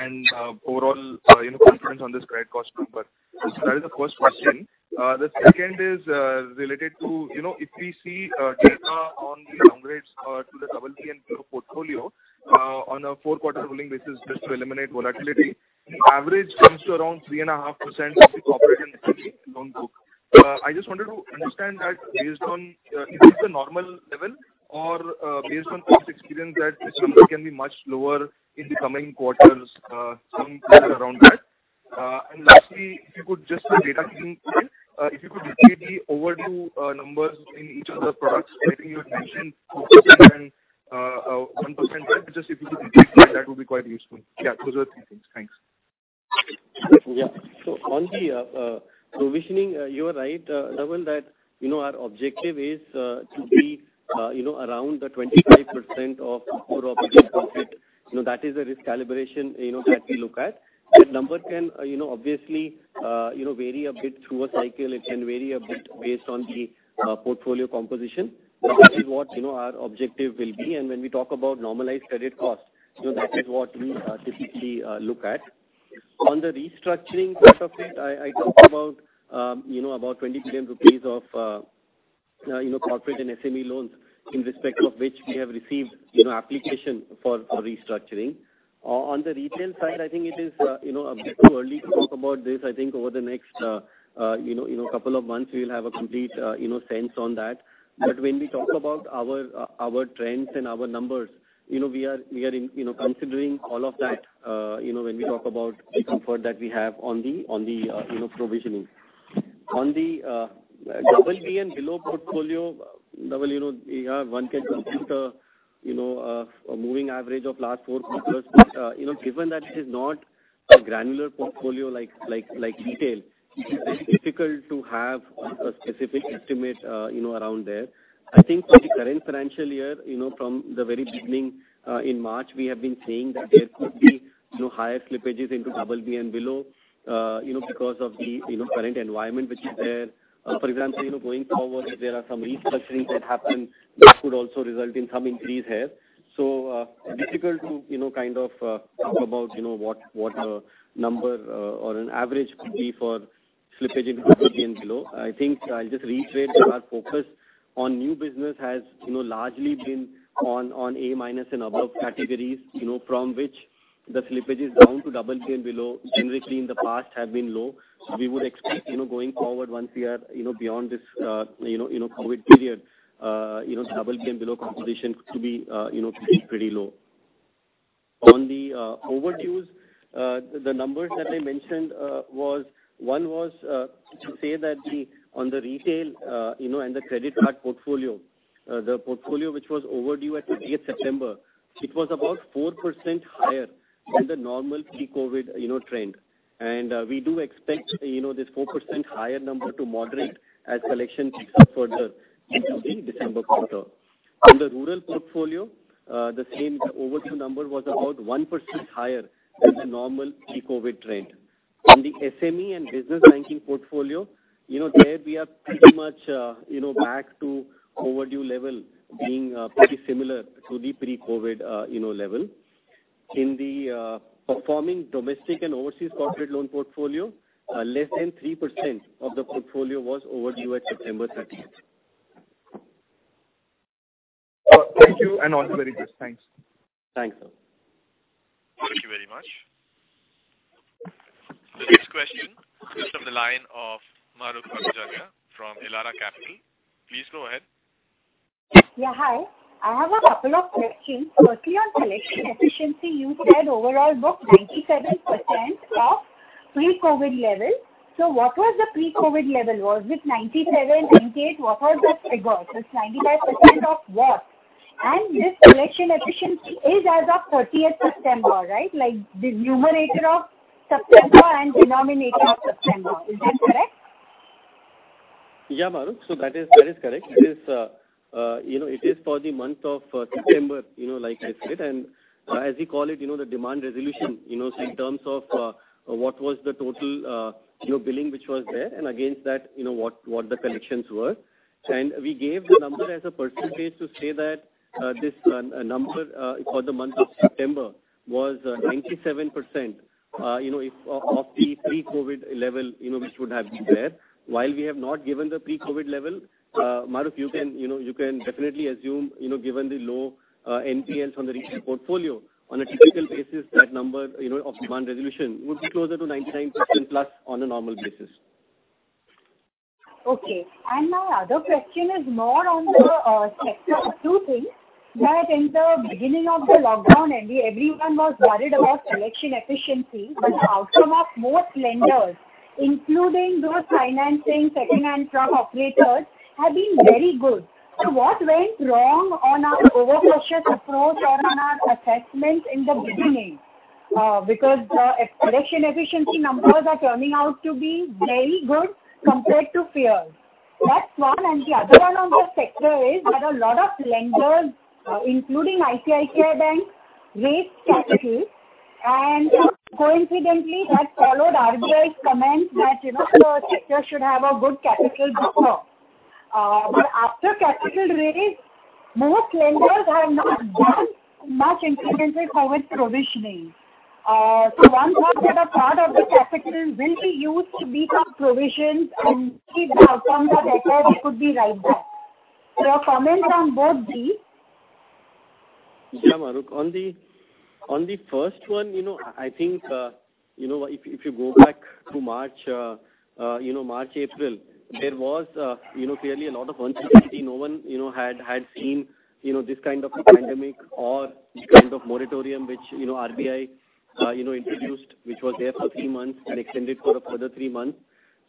and overall confidence on this credit cost number. So that is the first question. The second is related to if we see data on the downgrades to the BB and below portfolio on a four-quarter rolling basis just to eliminate volatility, average comes to around 3.5% of the corporate loan book. I just wanted to understand that based on is this the normal level or based on past experience that this number can be much lower in the coming quarters, somewhere around that? And lastly, if you could just a data point, if you could repeat the overdue numbers in each of the products, I think you had mentioned 2% and 1%. Just if you could repeat that, that would be quite useful. Yeah, those are the three things. Thanks. Yeah. So on the provisioning, you are right, Dhaval, that our objective is to be around 25% of core operating profit. That is the risk calibration that we look at. That number can obviously vary a bit through a cycle. It can vary a bit based on the portfolio composition. That is what our objective will be. And when we talk about normalized credit cost, that is what we typically look at. On the restructuring part of it, I talked about 20 million rupees of corporate and SME loans in respect of which we have received application for restructuring. On the retail side, I think it is a bit too early to talk about this. I think over the next couple of months, we will have a complete sense on that. But when we talk about our trends and our numbers, we are considering all of that when we talk about the comfort that we have on the provisioning. On the BB and below portfolio, Dhaval, yeah, one can compute a moving average of last four quarters. But given that it is not a granular portfolio like retail, it is difficult to have a specific estimate around there. I think for the current financial year, from the very beginning in March, we have been seeing that there could be higher slippages into BB and below because of the current environment which is there. For example, going forward, there are some restructurings that happen that could also result in some increase here. So difficult to kind of talk about what the number or an average could be for slippage into BB and below. I think I'll just reiterate that our focus on new business has largely been on A- and above categories from which the slippages down to BB and below generally in the past have been low. So we would expect going forward once we are beyond this COVID period, BB and below composition to be pretty low. On the overdues, the numbers that I mentioned, one was to say that on the retail and the credit card portfolio, the portfolio which was overdue at the end of September, it was about 4% higher than the normal pre-COVID trend, and we do expect this 4% higher number to moderate as collection picks up further into the December quarter. On the rural portfolio, the same overdue number was about 1% higher than the normal pre-COVID trend. On the SME and business banking portfolio, there we are pretty much back to overdue level being pretty similar to the pre-COVID level. In the performing domestic and overseas corporate loan portfolio, less than 3% of the portfolio was overdue at September 30th. Thank you and all the very best. Thanks. Thanks. Thank you very much. Next question is from the line of Mahrukh Adajania from Elara Capital. Please go ahead. Yeah, hi. I have a couple of questions. Firstly, on collection efficiency, you said overall book 97% of pre-COVID level. So what was the pre-COVID level? Was it 97, 98? What was the figure? So it's 95% of what? And this collection efficiency is as of 30th September, right? The numerator of September and denominator of September. Is that correct? Yeah, Mahrukh. So that is correct. It is for the month of September, like I said. And as we call it, the demand resolution in terms of what was the total billing which was there and against that what the collections were. We gave the number as a percentage to say that this number for the month of September was 97% of the pre-COVID level which would have been there. While we have not given the pre-COVID level, Mahrukh, you can definitely assume given the low NPLs on the retail portfolio, on a typical basis, that number of demand resolution would be closer to 99% plus on a normal basis. Okay. My other question is more on the sector. Two things. That in the beginning of the lockdown, everyone was worried about collection efficiency, but the outcome of most lenders, including those financing secondhand truck operators, have been very good. So what went wrong on our overprocess approach or on our assessment in the beginning? Because collection efficiency numbers are turning out to be very good compared to fears. That's one. And the other one on the sector is that a lot of lenders, including ICICI Bank, raised capital. And coincidentally, that followed RBI's comments that the sector should have a good capital buffer. But after capital raise, most lenders have not done much incremental COVID provisioning. So, one thought that a part of the capital will be used to beef up provisions and keep the outcome that it could be right back. Your comments on both these? Yeah, Mahrukh. On the first one, I think if you go back to March, April, there was clearly a lot of uncertainty. No one had seen this kind of pandemic or this kind of moratorium which RBI introduced, which was there for three months and extended for a further three months.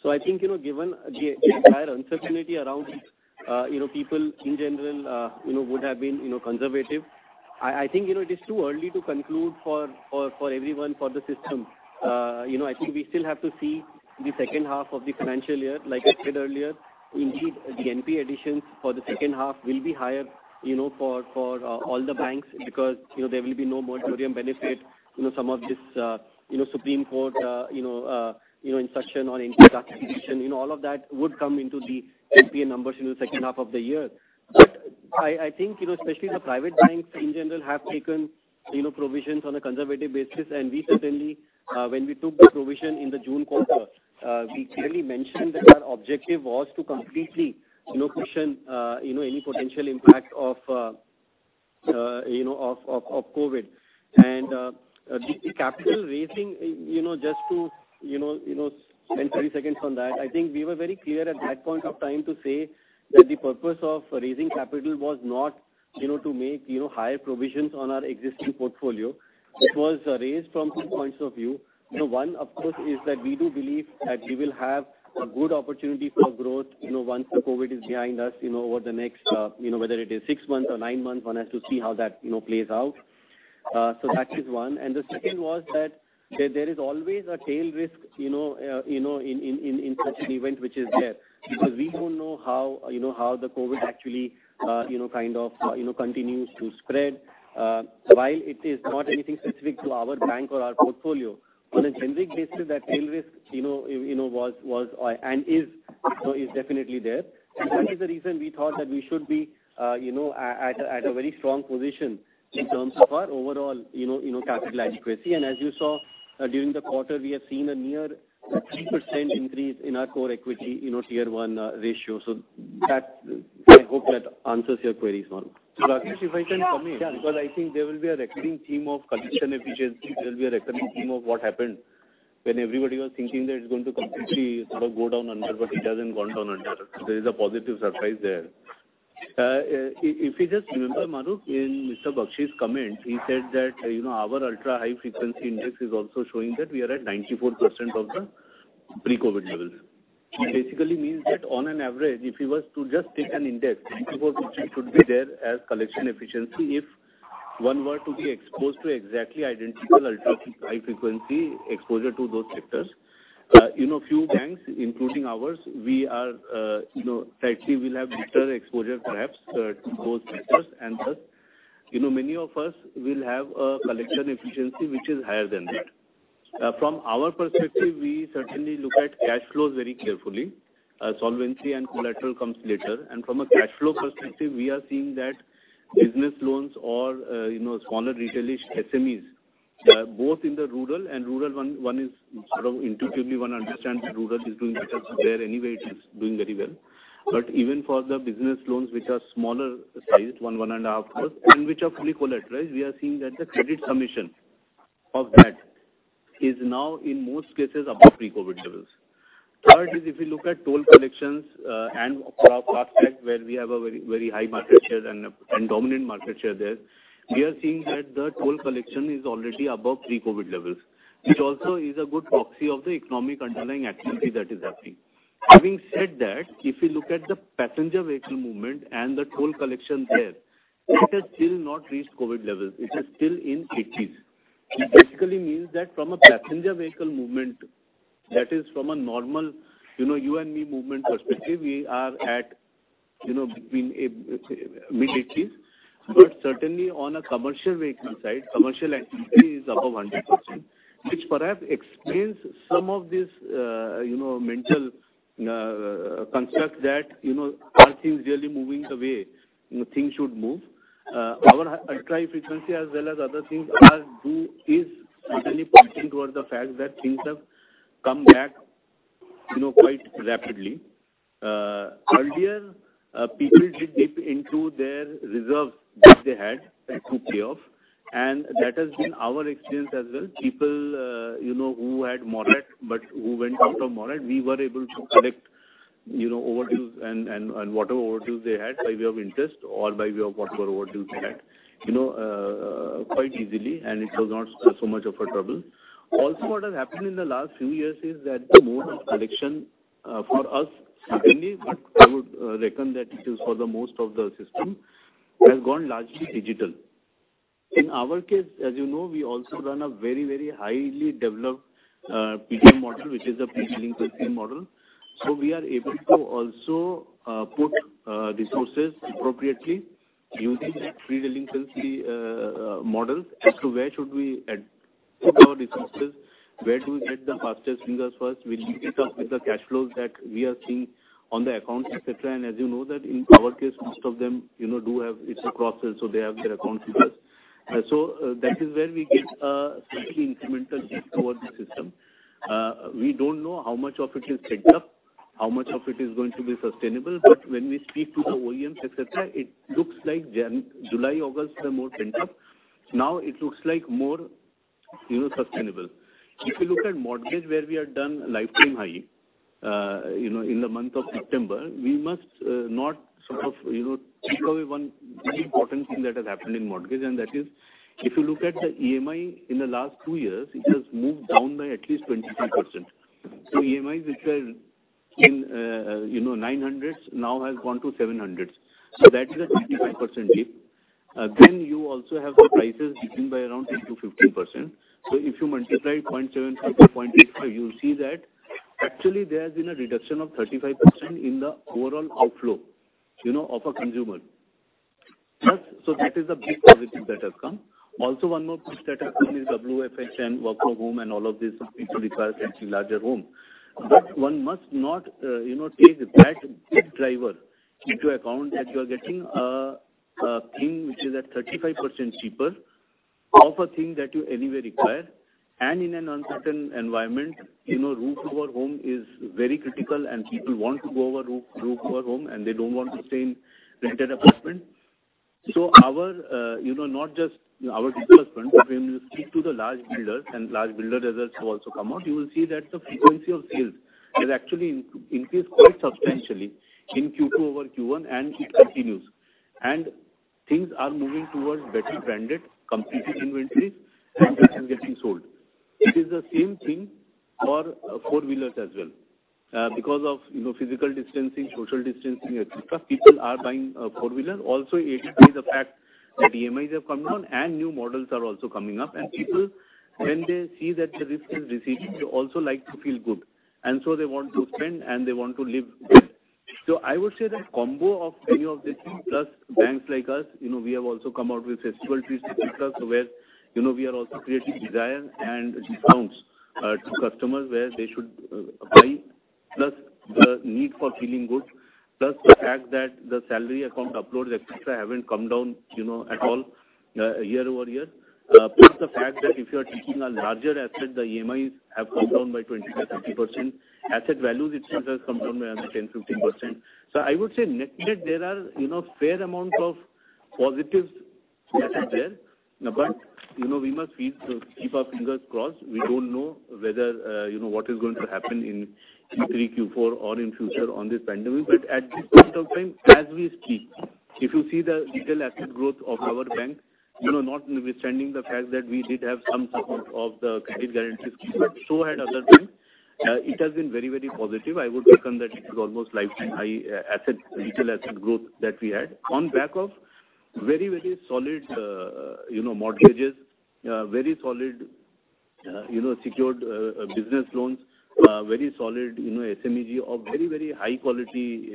So, I think given the entire uncertainty around people in general would have been conservative. I think it is too early to conclude for everyone for the system. I think we still have to see the second half of the financial year. Like I said earlier, indeed, the NPA additions for the second half will be higher for all the banks because there will be no moratorium benefit. Some of this Supreme Court instruction on NPA documentation, all of that would come into the NPA numbers in the second half of the year. But I think especially the private banks in general have taken provisions on a conservative basis. And we certainly, when we took the provision in the June quarter, we clearly mentioned that our objective was to completely cushion any potential impact of COVID. And the capital raising, just to spend 30 seconds on that, I think we were very clear at that point of time to say that the purpose of raising capital was not to make higher provisions on our existing portfolio. It was raised from two points of view. One, of course, is that we do believe that we will have a good opportunity for growth once the COVID is behind us over the next whether it is six months or nine months, one has to see how that plays out. So that is one. And the second was that there is always a tail risk in such an event which is there because we don't know how the COVID actually kind of continues to spread. While it is not anything specific to our bank or our portfolio, on a generic basis, that tail risk was and is definitely there. And that is the reason we thought that we should be at a very strong position in terms of our overall capital adequacy. And as you saw during the quarter, we have seen a near 3% increase in our core Equity Tier 1 ratio. So I hope that answers your queries, Mahrukh. If I can comment, because I think there will be a recurring theme of collection efficiency. There will be a recurring theme of what happened when everybody was thinking that it's going to completely sort of go down under, but it hasn't gone down under. There is a positive surprise there. If you just remember, Mahrukh, in Mr. Bagchi's comment, he said that our ultra-high frequency index is also showing that we are at 94% of the pre-COVID levels. It basically means that on average, if he was to just take an index, 94% should be there as collection efficiency if one were to be exposed to exactly identical ultra-high frequency exposure to those sectors. Few banks, including ours, we are slightly will have better exposure perhaps to those sectors. And thus, many of us will have a collection efficiency which is higher than that. From our perspective, we certainly look at cash flows very carefully. Solvency and collateral comes later. And from a cash flow perspective, we are seeing that business loans or smaller retailish SMEs, both in the rural and rural, one sort of intuitively understands the rural is doing better there anyway. It is doing very well. But even for the business loans which are smaller sized, 1.5%, and which are fully collateralized, we are seeing that the credit submission of that is now in most cases above pre-COVID levels. Third is if you look at toll collections and GST where we have a very high market share and dominant market share there, we are seeing that the toll collection is already above pre-COVID levels, which also is a good proxy of the economic underlying activity that is happening. Having said that, if you look at the passenger vehicle movement and the toll collection there, it has still not reached COVID levels. It is still in 80s. It basically means that from a passenger vehicle movement, that is from a normal you and me movement perspective, we are at mid 80s. But certainly on a commercial vehicle side, commercial activity is above 100%, which perhaps explains some of this mental construct that are things really moving the way things should move. Our ultra-high frequency, as well as other things, are do is certainly pointing towards the fact that things have come back quite rapidly. Earlier, people did dip into their reserves that they had to pay off, and that has been our experience as well. People who had moratorium but who went out of moratorium, we were able to collect overdue and whatever overdue they had by way of interest or by way of whatever overdue they had quite easily, and it was not so much of a trouble. Also, what has happened in the last few years is that the mode of collection for us, certainly, but I would reckon that it is for the most of the system, has gone largely digital. In our case, as you know, we also run a very, very highly developed PDM model, which is a pre-delinquency model. So we are able to also put resources appropriately using that pre-delinquency model as to where should we put our resources, where do we get the fastest fingers first, with the cash flows that we are seeing on the accounts, etc. And as you know, that in our case, most of them do have. It's a cross-sell. So they have their accounts with us. So that is where we get a slightly incremental shift towards the system. We don't know how much of it is pent up, how much of it is going to be sustainable. But when we speak to the OEMs, etc., it looks like July, August were more pent up. Now it looks like more sustainable. If you look at mortgage, where we have done lifetime high in the month of September, we must not sort of take away one important thing that has happened in mortgage. And that is if you look at the EMI in the last two years, it has moved down by at least 23%. So EMIs which were in 900s now have gone to 700s. So that is a 25% dip. Then you also have the prices dipping by around 10%-15%. So if you multiply 0.75-0.85, you'll see that actually there has been a reduction of 35% in the overall outflow of a consumer. So that is a big positive that has come. Also, one more thing that has come is WFH and work from home and all of this requires a larger home. But one must not take that big driver into account that you are getting a thing which is at 35% cheaper of a thing that you anyway require. And in an uncertain environment, roof over home is very critical. And people want to go over roof over home, and they don't want to stay in rented apartment. So not just our disbursement, but when you speak to the large builders and large builder results also come out, you will see that the frequency of sales has actually increased quite substantially in Q2 over Q1, and it continues. And things are moving towards better branded, completed inventories and better getting sold. It is the same thing for four-wheelers as well. Because of physical distancing, social distancing, etc., people are buying four-wheelers. Also, it is a fact that EMIs have come down and new models are also coming up, and people, when they see that the risk has receded, they also like to feel good, and so they want to spend, and they want to live well, so I would say that combo of any of these things plus banks like us, we have also come out with festive offers, etc., where we are also creating desire and discounts to customers where they should buy, plus the need for feeling good, plus the fact that the salary account uploads, etc., haven't come down at all year over year. Plus the fact that if you are taking a larger asset, the EMIs have come down by 20%-30%. Asset values themselves have come down by another 10%-15%. So I would say net net, there are fair amounts of positives that are there. But we must keep our fingers crossed. We don't know whether what is going to happen in Q3, Q4, or in future on this pandemic. But at this point of time, as we speak, if you see the retail asset growth of our bank, notwithstanding the fact that we did have some support of the credit guarantees, so had other banks, it has been very, very positive. I would reckon that it is almost lifetime high asset retail asset growth that we had on back of very, very solid mortgages, very solid secured business loans, very solid SMEAG, or very, very high-quality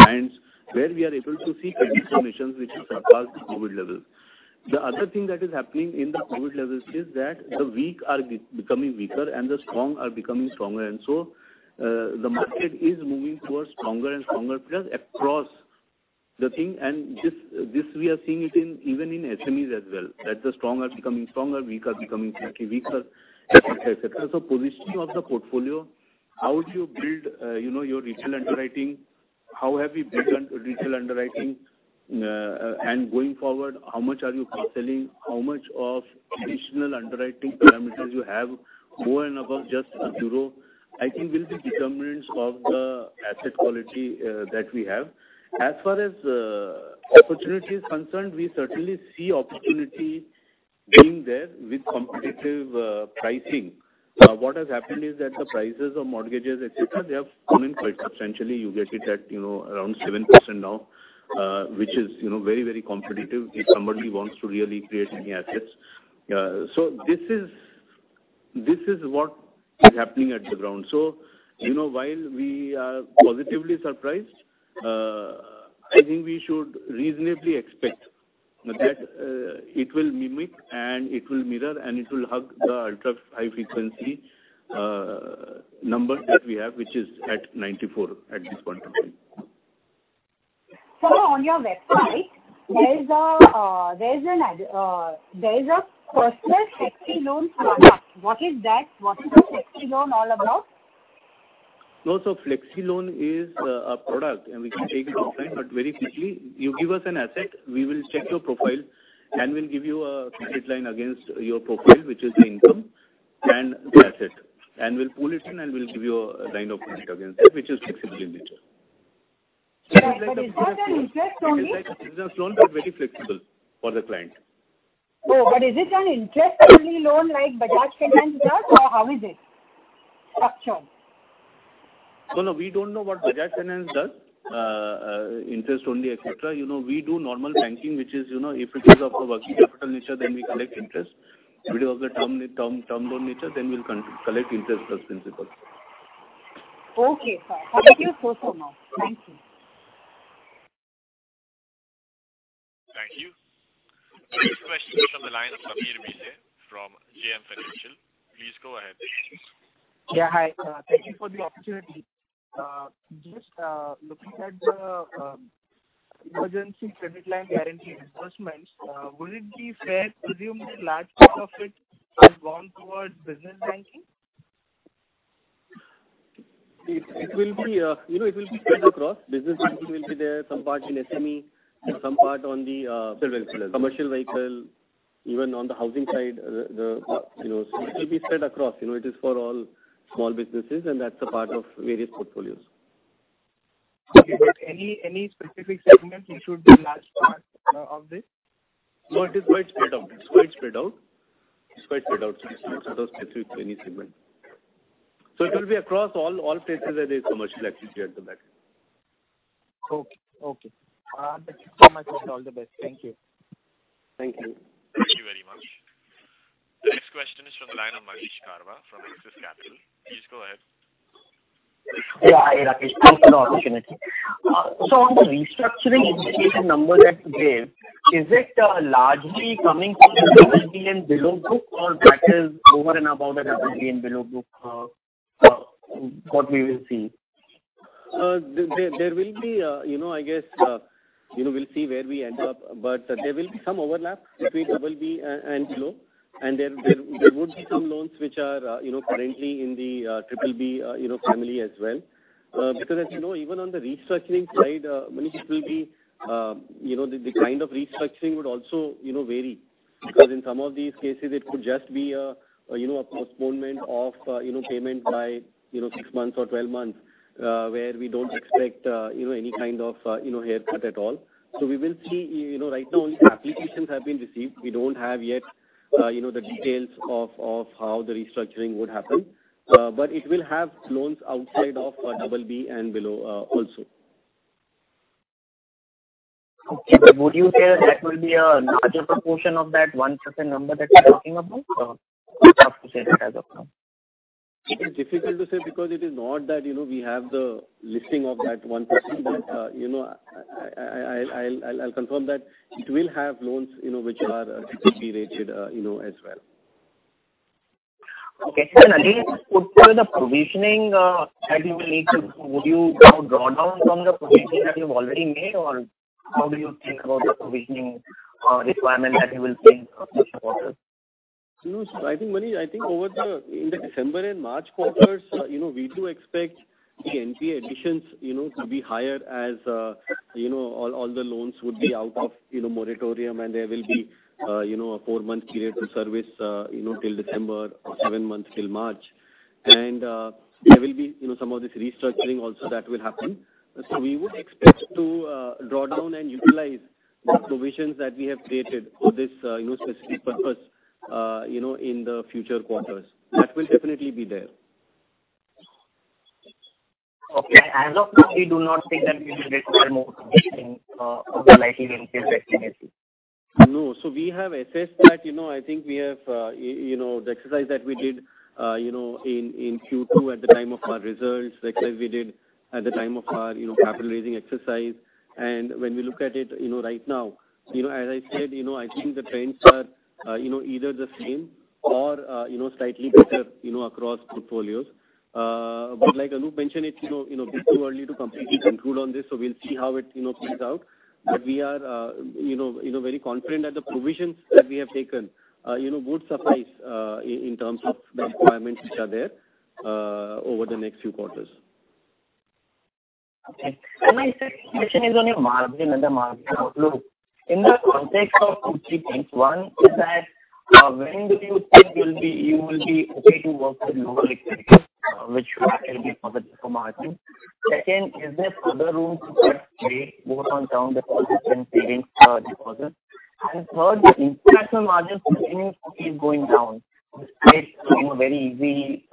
clients where we are able to see credit submissions which are past COVID levels. The other thing that is happening in the COVID levels is that the weak are becoming weaker and the strong are becoming stronger. And so the market is moving towards stronger and stronger players across the thing. And this we are seeing even in SMEs as well, that the strong are becoming stronger, weak are becoming slightly weaker, etc. So positioning of the portfolio, how do you build your retail underwriting? How have you built retail underwriting? And going forward, how much are you cross-selling? How much of additional underwriting parameters you have over and above just a bureau? I think will be determinants of the asset quality that we have. As far as opportunity is concerned, we certainly see opportunity being there with competitive pricing. What has happened is that the prices of mortgages, etc., they have gone in quite substantially. You get it at around 7% now, which is very, very competitive if somebody wants to really create any assets, so this is what is happening on the ground, so while we are positively surprised, I think we should reasonably expect that it will mimic and it will mirror and it will hug the ultra-high frequency number that we have, which is at 94 at this point of time. Sir, on your website, there is a Personal Flexi Loan product. What is that? What is the Flexi Loan all about, so Flexi Loan is a product, and we can take it offline. But very quickly, you give us an asset, we will check your profile, and we'll give you a credit line against your profile, which is the income and the asset. And we'll pull it in, and we'll give you a line of credit against it, which is flexible in nature. So it's like a product of interest only? It's an interest loan, but very flexible for the client. Oh, but is it an interest-only loan like Bajaj Finance does, or how is it structured? So no, we don't know what Bajaj Finance does, interest-only, etc. We do normal banking, which is if it is of a working capital nature, then we collect interest. We do have a term loan nature, then we'll collect interest plus principal. Okay, sir. Thank you so much. Thank you. Thank you. Next question is from the line of Sameer Bhise from JM Financial. Please go ahead. Yeah, hi. Thank you for the opportunity. Just looking at the emergency credit line guarantee disbursements, would it be fair to presume that large part of it has gone towards business banking? It will be spread across. Business banking will be there some part in SME and some part on the commercial vehicle, even on the housing side. It will be spread across. It is for all small businesses, and that's a part of various portfolios. Okay. But any specific segment, it should be large part of this? No, it is quite spread out. It's quite spread out. It's quite spread out. It's not specific to any segment. So it will be across all places where there is commercial activity at the back. Okay. Okay. I'll let you call my friend. All the best. Thank you. Thank you. Thank you very much. The next question is from the line of Manish Karwa from Axis Capital.Please go ahead. Yeah, hi, Rakesh. Thanks for the opportunity. So on the restructuring indicator number that you gave, is it largely coming from the BB and below group, or that is over and above the BB and below group what we will see? There will be, I guess we'll see where we end up. But there will be some overlap between BB and below. And there would be some loans which are currently in the BB family as well. Because as you know, even on the restructuring side, it will be the kind of restructuring would also vary. Because in some of these cases, it could just be a postponement of payment by 6 months or 12 months where we don't expect any kind of haircut at all. So we will see. Right now, only applications have been received. We don't have yet the details of how the restructuring would happen. But it will have loans outside of BB and below also. Okay. Would you say that that will be a larger proportion of that 1% number that you're talking about? It's tough to say that as of now. It is difficult to say because it is not that we have the listing of that 1%. But I'll confirm that it will have loans which are BB-rated as well. Okay. And again, would the provisioning that you will need to, would you draw down from the provisioning that you've already made, or how do you think about the provisioning requirement that you will think of this quarter? No, sir. I think over the December and March quarters, we do expect the NPA additions to be higher as all the loans would be out of moratorium, and there will be a four-month period to service till December, seven months till March. And there will be some of this restructuring also that will happen. So we would expect to draw down and utilize the provisions that we have created for this specific purpose in the future quarters. That will definitely be there. Okay. As of now, we do not think that we will require more provisioning of the likely NPA pressure. No. So we have assessed that I think we have the exercise that we did in Q2 at the time of our results, the exercise we did at the time of our capital raising exercise. And when we look at it right now, as I said, I think the trends are either the same or slightly better across portfolios. But like Anup mentioned, it's too early to call on this. So we'll see how it plays out. But we are very confident that the provisions that we have taken would suffice in terms of the requirements which are there over the next few quarters. Okay. And my second question is on your margin and the margin outlook. In the context of two things. One is that when do you think you will be okay to work with lower expenses, which will be positive for margin? Second, is there further room to cut rates both in terms of savings and savings deposits? And third, the international margin continues to be going down despite a very easy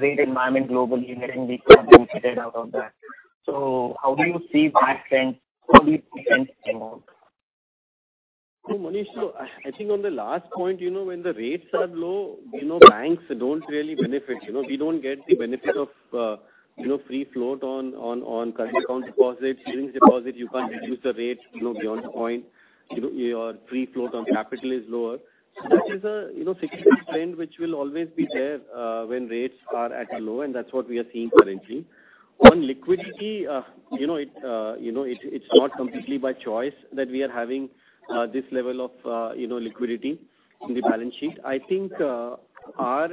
rate environment globally and getting weaker and weaker out of that. So how do you see that trend? How do you see trends going on? So Mahesh, I think on the last point, when the rates are low, banks don't really benefit. We don't get the benefit of free float on current account deposits, savings deposits. You can't reduce the rate beyond a point. Your free float on capital is lower. So that is a significant trend which will always be there when rates are at a low, and that's what we are seeing currently. On liquidity, it's not completely by choice that we are having this level of liquidity in the balance sheet. I think our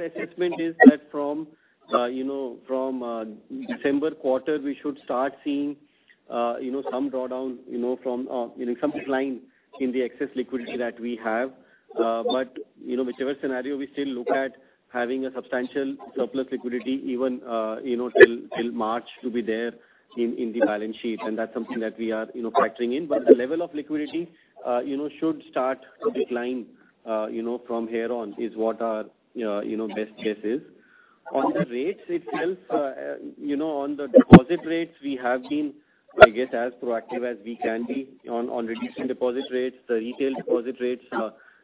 assessment is that from December quarter, we should start seeing some drawdown from some decline in the excess liquidity that we have. But whichever scenario, we still look at having a substantial surplus liquidity even till March to be there in the balance sheet. And that's something that we are factoring in. But the level of liquidity should start to decline from here on is what our best guess is. On the rates itself, on the deposit rates, we have been, I guess, as proactive as we can be on reducing deposit rates. The retail deposit rates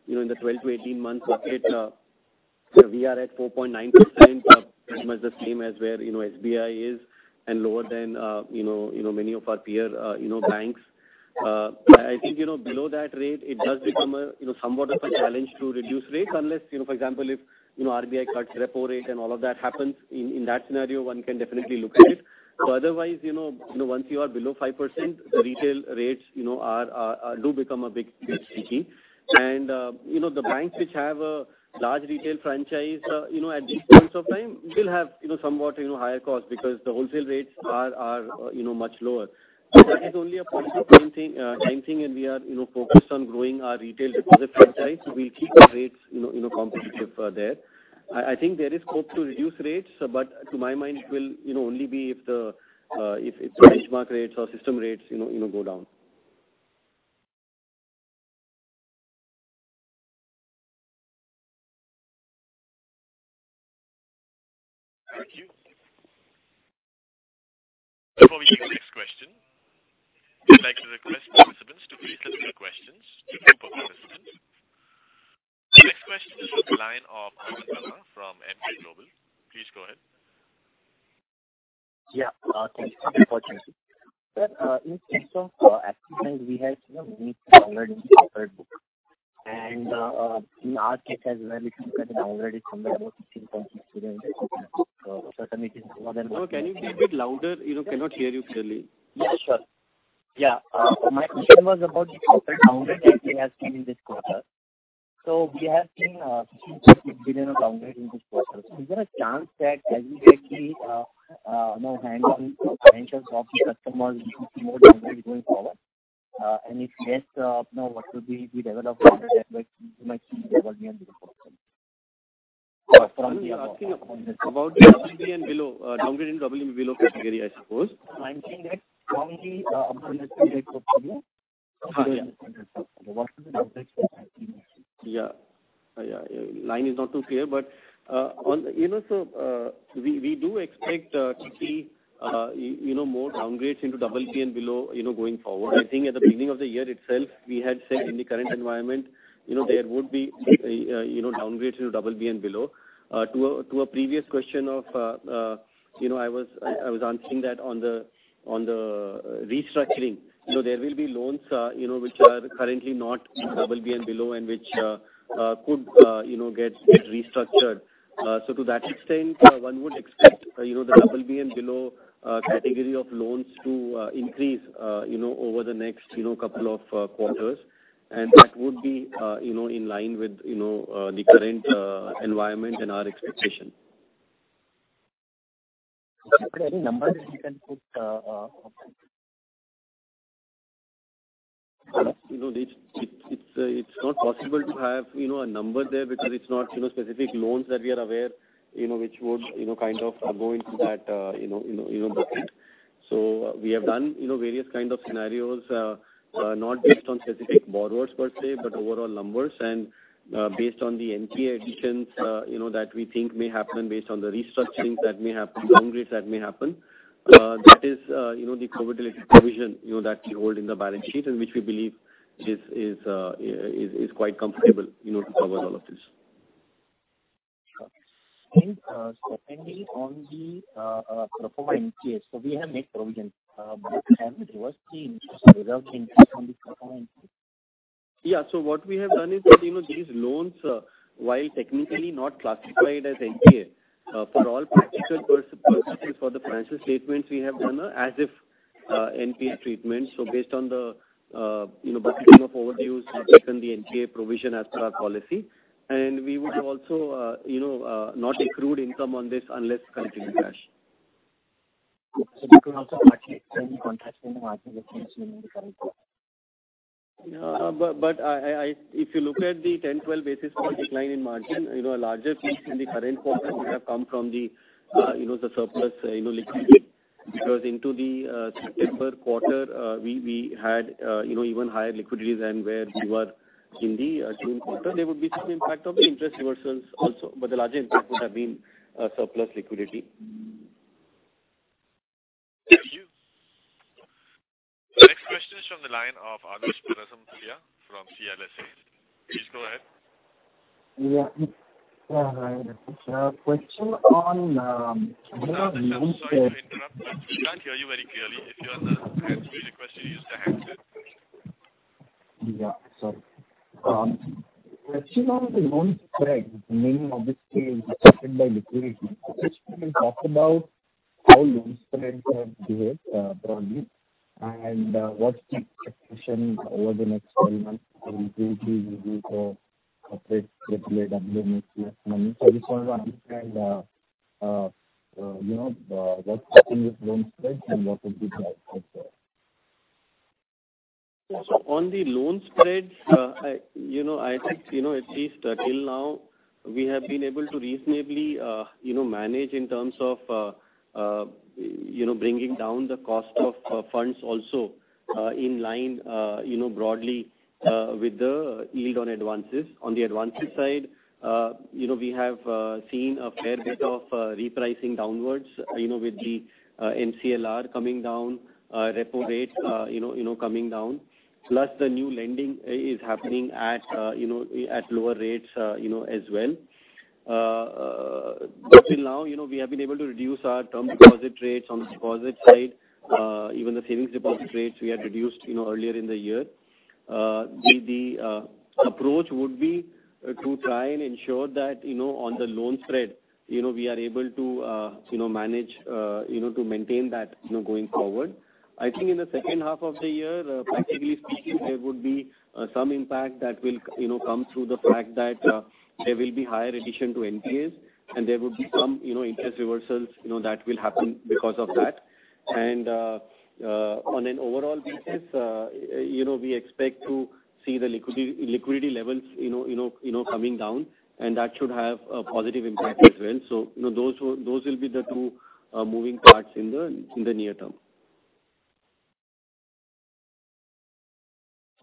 in the 12-18-month bucket, we are at 4.9%, pretty much the same as where SBI is and lower than many of our peer banks. I think below that rate, it does become somewhat of a challenge to reduce rates unless, for example, if RBI cuts repo rate and all of that happens, in that scenario, one can definitely look at it. But otherwise, once you are below 5%, the retail rates do become a big sticky. And the banks which have a large retail franchise at these points of time will have somewhat higher costs because the wholesale rates are much lower. So that is only a positive time thing, and we are focused on growing our retail deposit franchise. We'll keep the rates competitive there. I think there is hope to reduce rates, but to my mind, it will only be if the benchmark rates or system rates go down. Thank you. Before we take the next question, we would like to request participants to please let me know questions to keep up with participants. The next question is from the line of Anand Dama from Emkay Global. Please go ahead. Yeah. Thank you for the opportunity. So, in terms of assets, we have made the already preferred book. And in our case as well, it looked at an already somewhat over INR 16.6 billion. So certainly, it is more than what we expected. Can you be a bit louder? Cannot hear you clearly. Yeah, sure. Yeah. My question was about the corporate downgrade that we have seen in this quarter. So we have seen 15-16 billion of downgrades in this quarter. So is there a chance that as we get the hands-on financials of the customers, we can see more downgrades going forward? And if yes, what will be the level of downgrade that we might see in the BB and below quarter? About the BB and below downgrade in BB and below category, I suppose. I'm seeing that strongly upon the BB quarter year. What is the downgrade for BB? Yeah. Line is not too clear, but so we do expect to see more downgrades into BB and below going forward. I think at the beginning of the year itself, we had said in the current environment, there would be downgrades into BB and below. To a previous question that I was answering that on the restructuring, there will be loans which are currently not BB and below and which could get restructured. So to that extent, one would expect the BB and below category of loans to increase over the next couple of quarters. And that would be in line with the current environment and our expectation. Sir, are there any numbers that you can put? It's not possible to have a number there because it's not specific loans that we are aware which would kind of go into that bucket. So we have done various kinds of scenarios, not based on specific borrowers per se, but overall numbers. And based on the NPA additions that we think may happen based on the restructuring that may happen, downgrades that may happen, that is the COVID-related provision that we hold in the balance sheet and which we believe is quite comfortable to cover all of this. And secondly, on the pro forma NPA, so we have made provisions. Have you reversed the interest without the interest on the pro forma NPA? Yeah. So what we have done is that these loans, while technically not classified as NPA, for all practical purposes, for the financial statements, we have done as-if NPA treatment. So based on the bucketing of overdue and the NPA provision as per our policy. And we would also not accrued income on this unless continuing cash. So there could also be a change in contract in the margin that you're seeing in the current quarter. But if you look at the 10-12 basis point decline in margin, a larger piece in the current quarter would have come from the surplus liquidity. Because into the September quarter, we had even higher liquidity than where we were in the June quarter. There would be some impact of the interest reversals also. But the larger impact would have been surplus liquidity. Thank you. The next question is from the line of Anup Kulkarni from CLSA. Please go ahead. Yeah. Question on the loan spread. We can't hear you very clearly. If you're on the transmitter, use hands-free. Yeah. Sorry. Question on the loan spreads, the NIM obviously is affected by liquidity. Could you talk about how loan spreads have behaved broadly and what's the expectation over the next 12 months in equity, EBITDA, corporate, BB, AWM, HFC money? So just want to understand what's happening with loan spreads and what would be the outcome for? So on the loan spreads, I think at least till now, we have been able to reasonably manage in terms of bringing down the cost of funds also in line broadly with the yield on the advances side. We have seen a fair bit of repricing downwards with the MCLR coming down, repo rate coming down. Plus, the new lending is happening at lower rates as well. But till now, we have been able to reduce our term deposit rates on the deposit side, even the savings deposit rates we had reduced earlier in the year. The approach would be to try and ensure that on the loan spread, we are able to manage to maintain that going forward. I think in the second half of the year, practically speaking, there would be some impact that will come through the fact that there will be higher addition to NPAs, and there would be some interest reversals that will happen because of that. And on an overall basis, we expect to see the liquidity levels coming down, and that should have a positive impact as well. So those will be the two moving parts in the near term.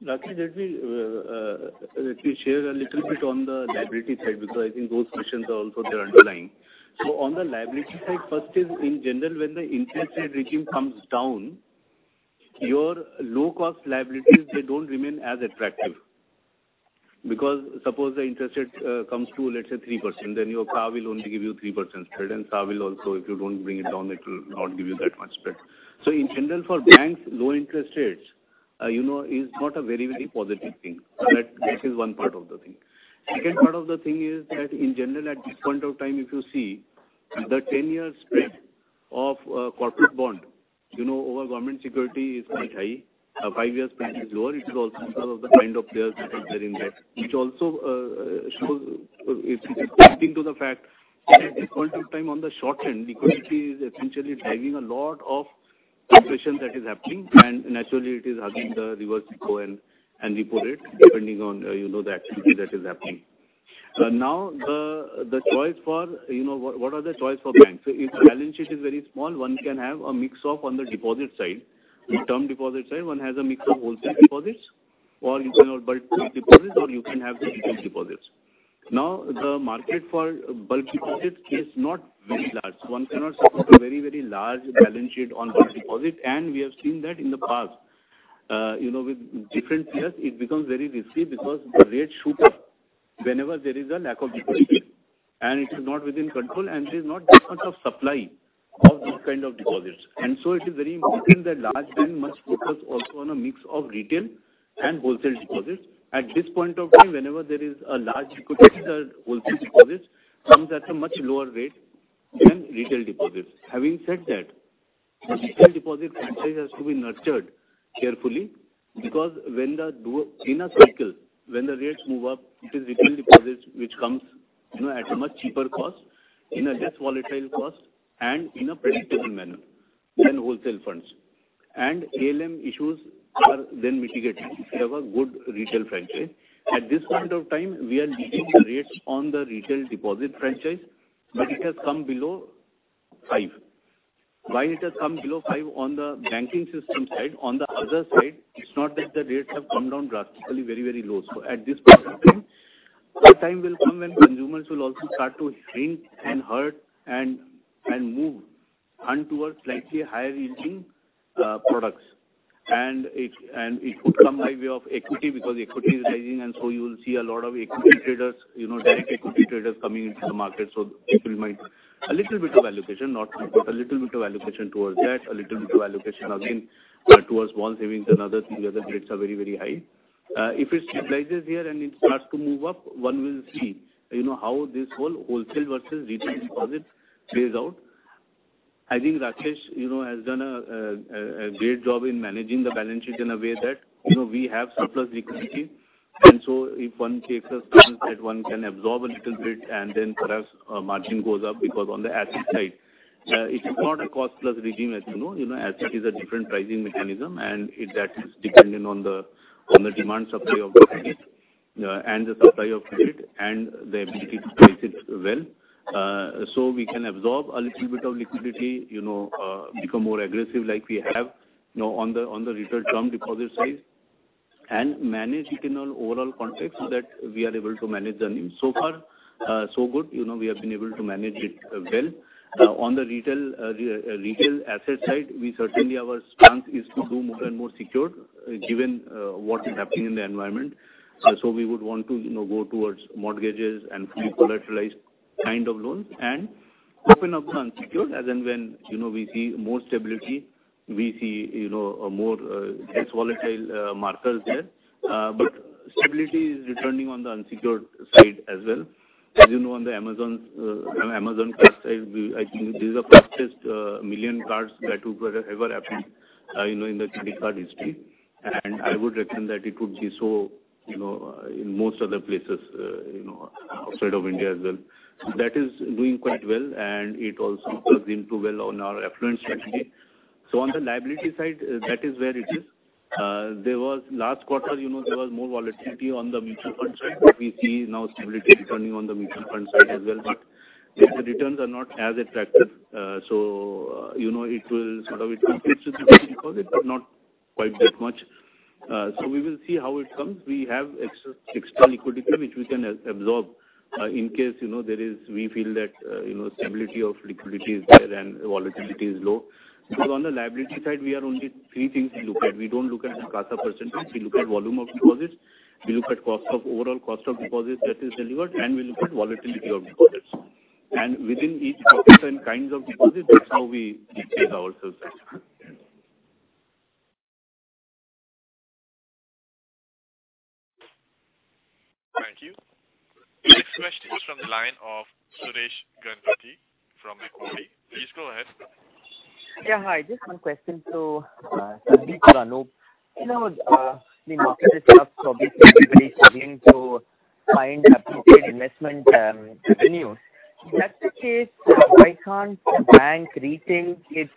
Rakesh, let me share a little bit on the liability side because I think those questions are also there underlying. So on the liability side, first is in general, when the interest rate regime comes down, your low-cost liabilities, they don't remain as attractive. Because suppose the interest rate comes to, let's say, 3%, then your CASA will only give you 3% spread, and CASA will also, if you don't bring it down, it will not give you that much spread. So in general, for banks, low interest rates is not a very, very positive thing. That is one part of the thing. Second part of the thing is that in general, at this point of time, if you see the 10-year spread of corporate bond over government security is quite high. Five-year spread is lower. It is also because of the kind of players that are in there, which also speaks to the fact that at this point of time, in the short term, liquidity is essentially driving a lot of the questions that are happening. And naturally, it is hugging the reverse repo and repo rate, depending on the activity that is happening. Now, what are the choices for banks? If the balance sheet is very small, one can have a mix-up on the deposit side. Term deposit side, one has a mix of wholesale deposits or you can have bulk deposits or you can have the retail deposits. Now, the market for bulk deposits is not very large. One cannot put a very, very large balance sheet on bulk deposits. And we have seen that in the past. With different years, it becomes very risky because the rates shoot up whenever there is a lack of liquidity. And it is not within control, and there is not that much of supply of this kind of deposits. And so it is very important that large banks must focus also on a mix of retail and wholesale deposits. At this point of time, whenever there is a large liquidity, the wholesale deposits come at a much lower rate than retail deposits. Having said that, the retail deposit franchise has to be nurtured carefully because in a cycle, when the rates move up, it is retail deposits which come at a much cheaper cost, in a less volatile cost, and in a predictable manner than wholesale funds. And ALM issues are then mitigated if you have a good retail franchise. At this point of time, we are meeting the rates on the retail deposit franchise, but it has come below five. While it has come below five on the banking system side, on the other side, it's not that the rates have come down drastically, very, very low. So at this point of time, the time will come when consumers will also start to hint and hurt and move on towards slightly higher yielding products. And it would come by way of equity because equity is rising, and so you will see a lot of equity traders, direct equity traders coming into the market. So it will make a little bit of allocation, not a little bit of allocation towards that, a little bit of allocation again towards bond savings and other things where the rates are very, very high. If it stabilizes here and it starts to move up, one will see how this whole wholesale versus retail deposit plays out. I think Rakesh has done a great job in managing the balance sheet in a way that we have surplus liquidity, and so if one takes a stance that one can absorb a little bit and then perhaps margin goes up because on the asset side, it's not a cost-plus regime as it is a different pricing mechanism, and that is dependent on the demand supply of the credit and the supply of credit and the ability to price it well, so we can absorb a little bit of liquidity, become more aggressive like we have on the retail term deposit side, and manage it in an overall context that we are able to manage the needs, so far, so good. We have been able to manage it well. On the retail asset side, we certainly have a stance is to do more and more secured given what is happening in the environment, so we would want to go towards mortgages and fully collateralized kind of loans and open up the unsecured as and when we see more stability, we see more or less volatile markets there, but stability is returning on the unsecured side as well. As you know, on the Amazon card side, I think these are the fastest million cards that have ever happened in the credit card history, and I would recommend that it would be so in most other places outside of India as well. That is doing quite well, and it also does well on our affluent strategy, so on the liability side, that is where it is. Last quarter, there was more volatility on the mutual fund side, but we see now stability returning on the mutual fund side as well. But the returns are not as attractive. So it will sort of increase with the deposit, but not quite that much. So we will see how it comes. We have extra liquidity which we can absorb in case we feel that stability of liquidity is there and volatility is low. Because on the liability side, we only look at three things. We don't look at the CASA percentage. We look at volume of deposits. We look at overall cost of deposits that is delivered, and we look at volatility of deposits. And within each process and kinds of deposits, that's how we take ourselves out. Thank you. The next question is from the line of Suresh Ganapathy from Macquarie. Please go ahead. Yeah. Hi. Just one question, so Sandeep, Anup, the market is not sufficiently ready to find appropriate investment venues. If that's the case, why can't bank retain its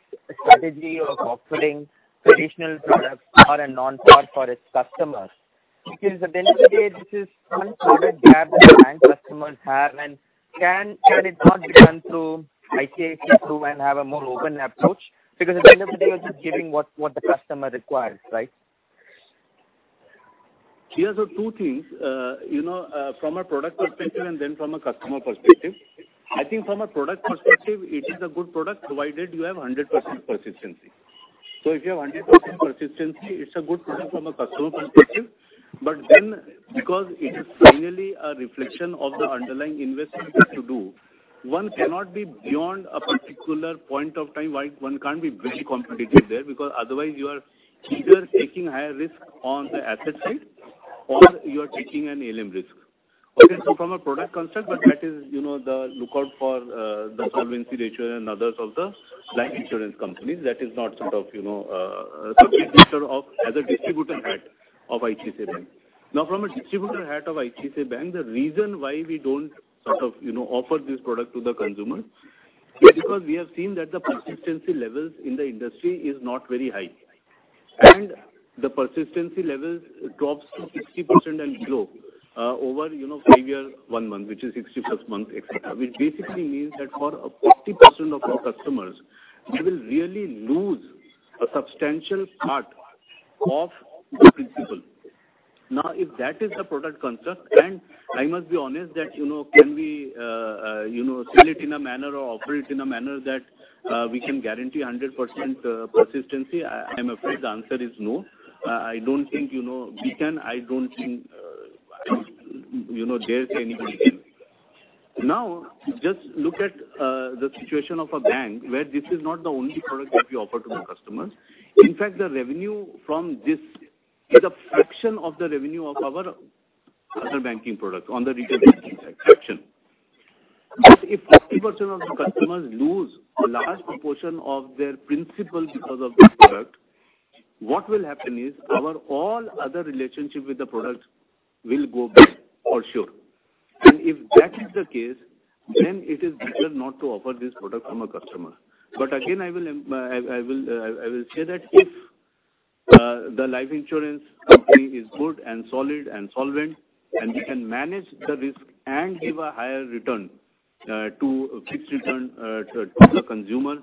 strategy of offering traditional products FD and non-FD for its customers? Because at the end of the day, this is one core gap that bank customers have. And can it not be done through ICICI and have a more open approach? Because at the end of the day, you're just giving what the customer requires, right? Here are two things. From a product perspective and then from a customer perspective, I think from a product perspective, it is a good product provided you have 100% persistency. So if you have 100% persistency, it's a good product from a customer perspective. But then because it is finally a reflection of the underlying investment to do, one cannot be beyond a particular point of time. One can't be very competitive there because otherwise you are either taking higher risk on the asset side or you are taking an ALM risk. Okay. So from a product concept, but that is the lookout for the solvency ratio and others of the bank insurance companies. That is not sort of a subject matter of as a distributor hat of ICICI Bank. Now, from a distributor hat of ICICI Bank, the reason why we don't sort of offer this product to the consumers is because we have seen that the persistency levels in the industry are not very high, and the persistency levels drops to 60% and below over five years, one month, which is 60 plus months, etc. Which basically means that for 50% of our customers, they will really lose a substantial part of the principal. Now, if that is the product concept, and I must be honest that can we sell it in a manner or offer it in a manner that we can guarantee 100% persistency, I'm afraid the answer is no. I don't think we can. I don't think there's anybody can. Now, just look at the situation of a bank where this is not the only product that we offer to the customers. In fact, the revenue from this is a fraction of the revenue of our other banking products on the retail banking side, fraction. But if 50% of the customers lose a large proportion of their principal because of this product, what will happen is our all other relationship with the product will go bad for sure. And if that is the case, then it is better not to offer this product from a customer. But again, I will say that if the life insurance company is good and solid and solvent, and we can manage the risk and give a higher return, a fixed return, to the consumer,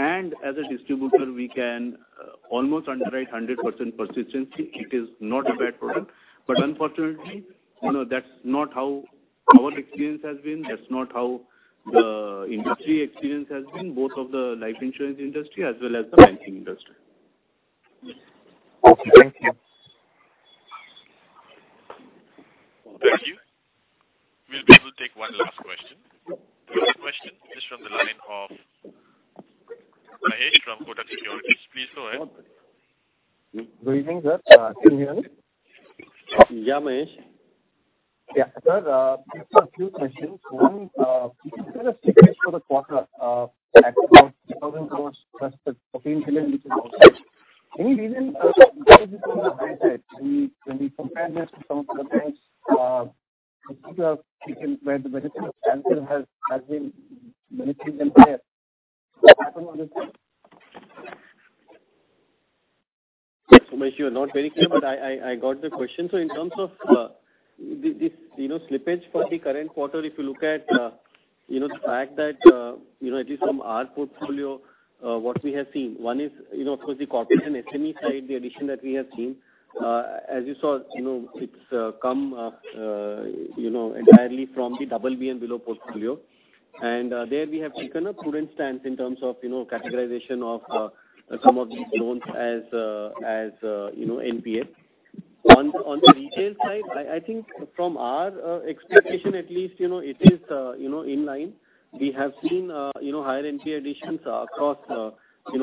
and as a distributor, we can almost underwrite 100% persistency, it is not a bad product. But unfortunately, that's not how our experience has been. That's not how the industry experience has been, both of the life insurance industry as well as the banking industry. Thank you. Thank you. We'll be able to take one last question. The last question is from the line of M B Mahesh from Kotak Securities. Please go ahead. Good evening, sir. Can you hear me? Yeah, Mahesh. Yeah, sir, just a few questions. One, it's kind of sick for the quarter at about INR 1,000 plus the INR 14 billion, which is also. Any reason why this is on the high side? When we compare this to some of the banks, we see they have taken quite the benefit of calculus has been benefiting them there. I don't understand. So, Mahesh, you are not very clear, but I got the question. So in terms of this slippage for the current quarter, if you look at the fact that at least from our portfolio, what we have seen, one is, of course, the corporate and SME side, the addition that we have seen. As you saw, it's come entirely from the BB and below portfolio. And there we have taken a prudent stance in terms of categorization of some of these loans as NPA. On the retail side, I think from our expectation, at least, it is in line. We have seen higher NPA additions across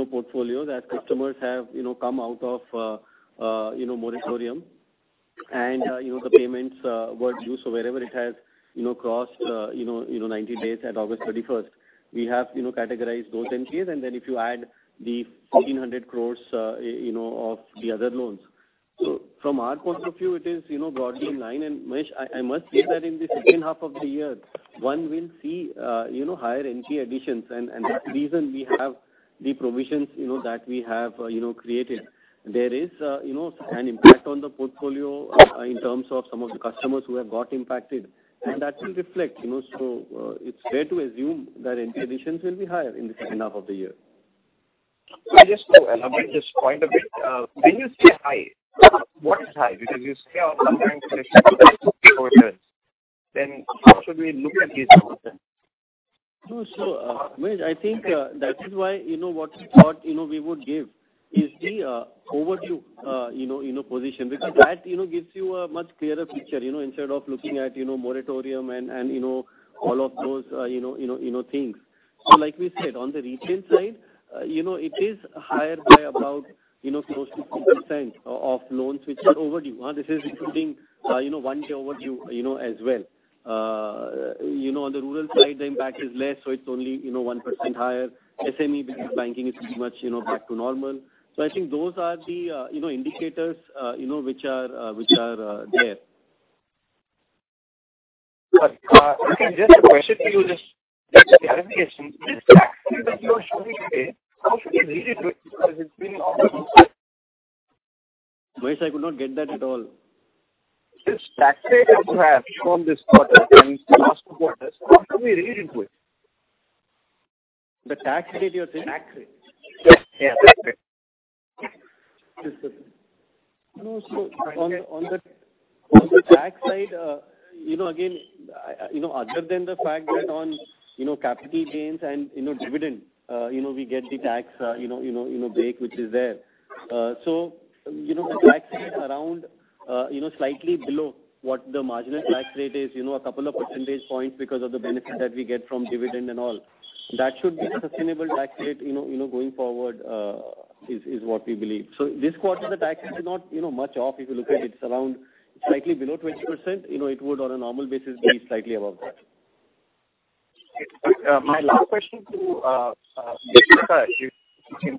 portfolios as customers have come out of moratorium. And the payments were due. So wherever it has crossed 90 days at August 31st, we have categorized those NPAs. And then if you add the 1,400 crores of the other loans. So from our point of view, it is broadly in line. And Mahesh, I must say that in the second half of the year, one will see higher NPA additions. And that's the reason we have the provisions that we have created. There is an impact on the portfolio in terms of some of the customers who have got impacted. And that will reflect. So it's fair to assume that NPA additions will be higher in the second half of the year. I just want to elaborate this point a bit. When you say high, what is high? Because you say on the bank selection to the customer service. Then how should we look at this? No, sure. Mahesh, I think that is why what we thought we would give is the overview position. Because that gives you a much clearer picture instead of looking at moratorium and all of those things. So like we said, on the retail side, it is higher by about close to 2% of loans which are overdue. This is including one day overdue as well. On the rural side, the impact is less, so it's only 1% higher. SME banking is pretty much back to normal. So I think those are the indicators which are there. Okay. Just a question for you. Just the clarification, the tax rate that you are showing today, how should we read it with because it's been on the inside? Mahesh, I could not get that at all. Just tax rate that you have from this quarter and last quarter, how should we read it with? The tax rate, you're saying? Tax rate. Yeah, tax rate. No, so on the tax side, again, other than the fact that on capital gains and dividend, we get the tax break which is there. So the tax rate around slightly below what the marginal tax rate is, a couple of percentage points because of the benefit that we get from dividend and all. That should be a sustainable tax rate going forward is what we believe. So this quarter, the tax rate is not much off if you look at it. It's around slightly below 20%. It would, on a normal basis, be slightly above that. My last question to you,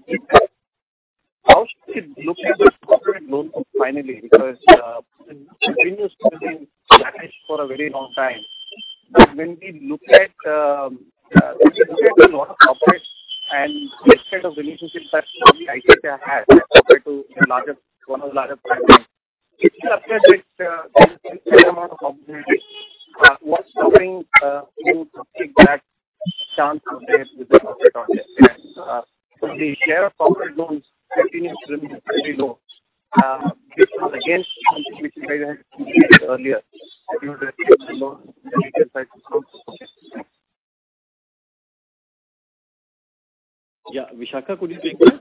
is how should we look at the corporate loans finally? Because you've been using them for a very long time. But when we look at a lot of corporates and this kind of relationship that ICICI has compared to one of the largest banks, it still appears that there is still a fair amount of opportunity. What's stopping you to take that chance with the corporate on it? And the share of corporate loans continues to remain very low. This is against something which you guys had mentioned earlier. You would expect to loan on the retail side to come to. Yeah. Vishakha, could you take that?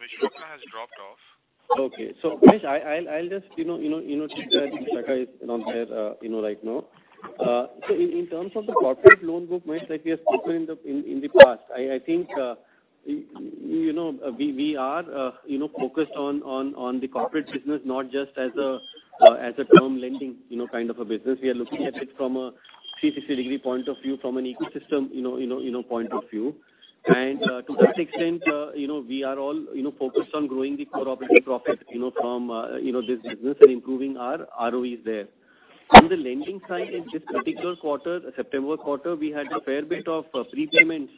Vishakha has dropped off. Okay. So, Mahesh, I'll just take that since Vishakha is not there right now. So in terms of the corporate loan book, Mahesh, like we have spoken in the past, I think we are focused on the corporate business, not just as a term lending kind of a business. We are looking at it from a 360-degree point of view, from an ecosystem point of view. And to that extent, we are all focused on growing the core operating profit from this business and improving our ROEs there. On the lending side, in this particular quarter, September quarter, we had a fair bit of prepayments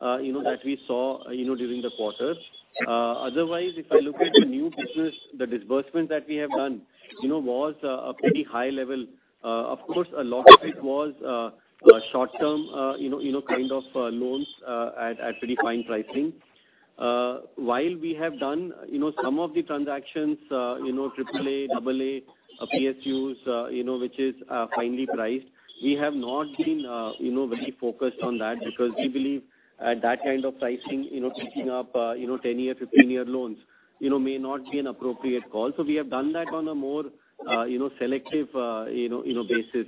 that we saw during the quarter. Otherwise, if I look at the new business, the disbursement that we have done was a pretty high level. Of course, a lot of it was short-term kind of loans at pretty fine pricing. While we have done some of the transactions, AAA, AA, PSUs, which is finely priced, we have not been very focused on that because we believe at that kind of pricing, picking up 10-year, 15-year loans may not be an appropriate call. So we have done that on a more selective basis.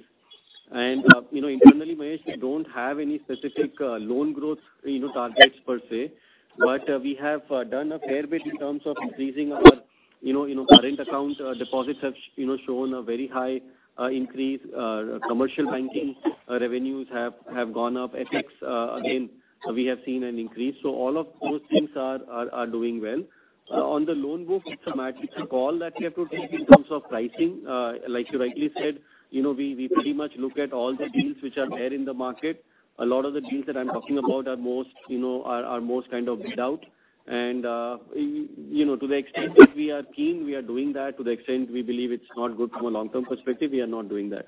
And internally, Mahesh, we don't have any specific loan growth targets per se. But we have done a fair bit in terms of increasing our current account deposits, have shown a very high increase. Commercial banking revenues have gone up. FX, again, we have seen an increase. So all of those things are doing well. On the loan book, it's a call that we have to take in terms of pricing. Like you rightly said, we pretty much look at all the deals which are there in the market. A lot of the deals that I'm talking about are most kind of bid out. And to the extent that we are keen, we are doing that. To the extent we believe it's not good from a long-term perspective, we are not doing that.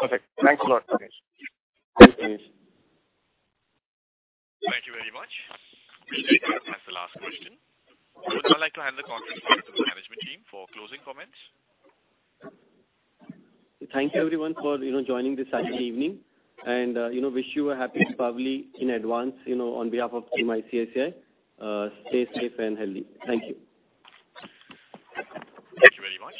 Perfect. Thanks a lot, Rakesh. Thanks, Mahesh. Thank you very much. That's the last question. I would now like to hand the conference to the management team for closing comments. Thank you, everyone, for joining this Saturday evening, and wish you a happy recovery in advance on behalf of ICICI. Stay safe and healthy. Thank you. Thank you very much.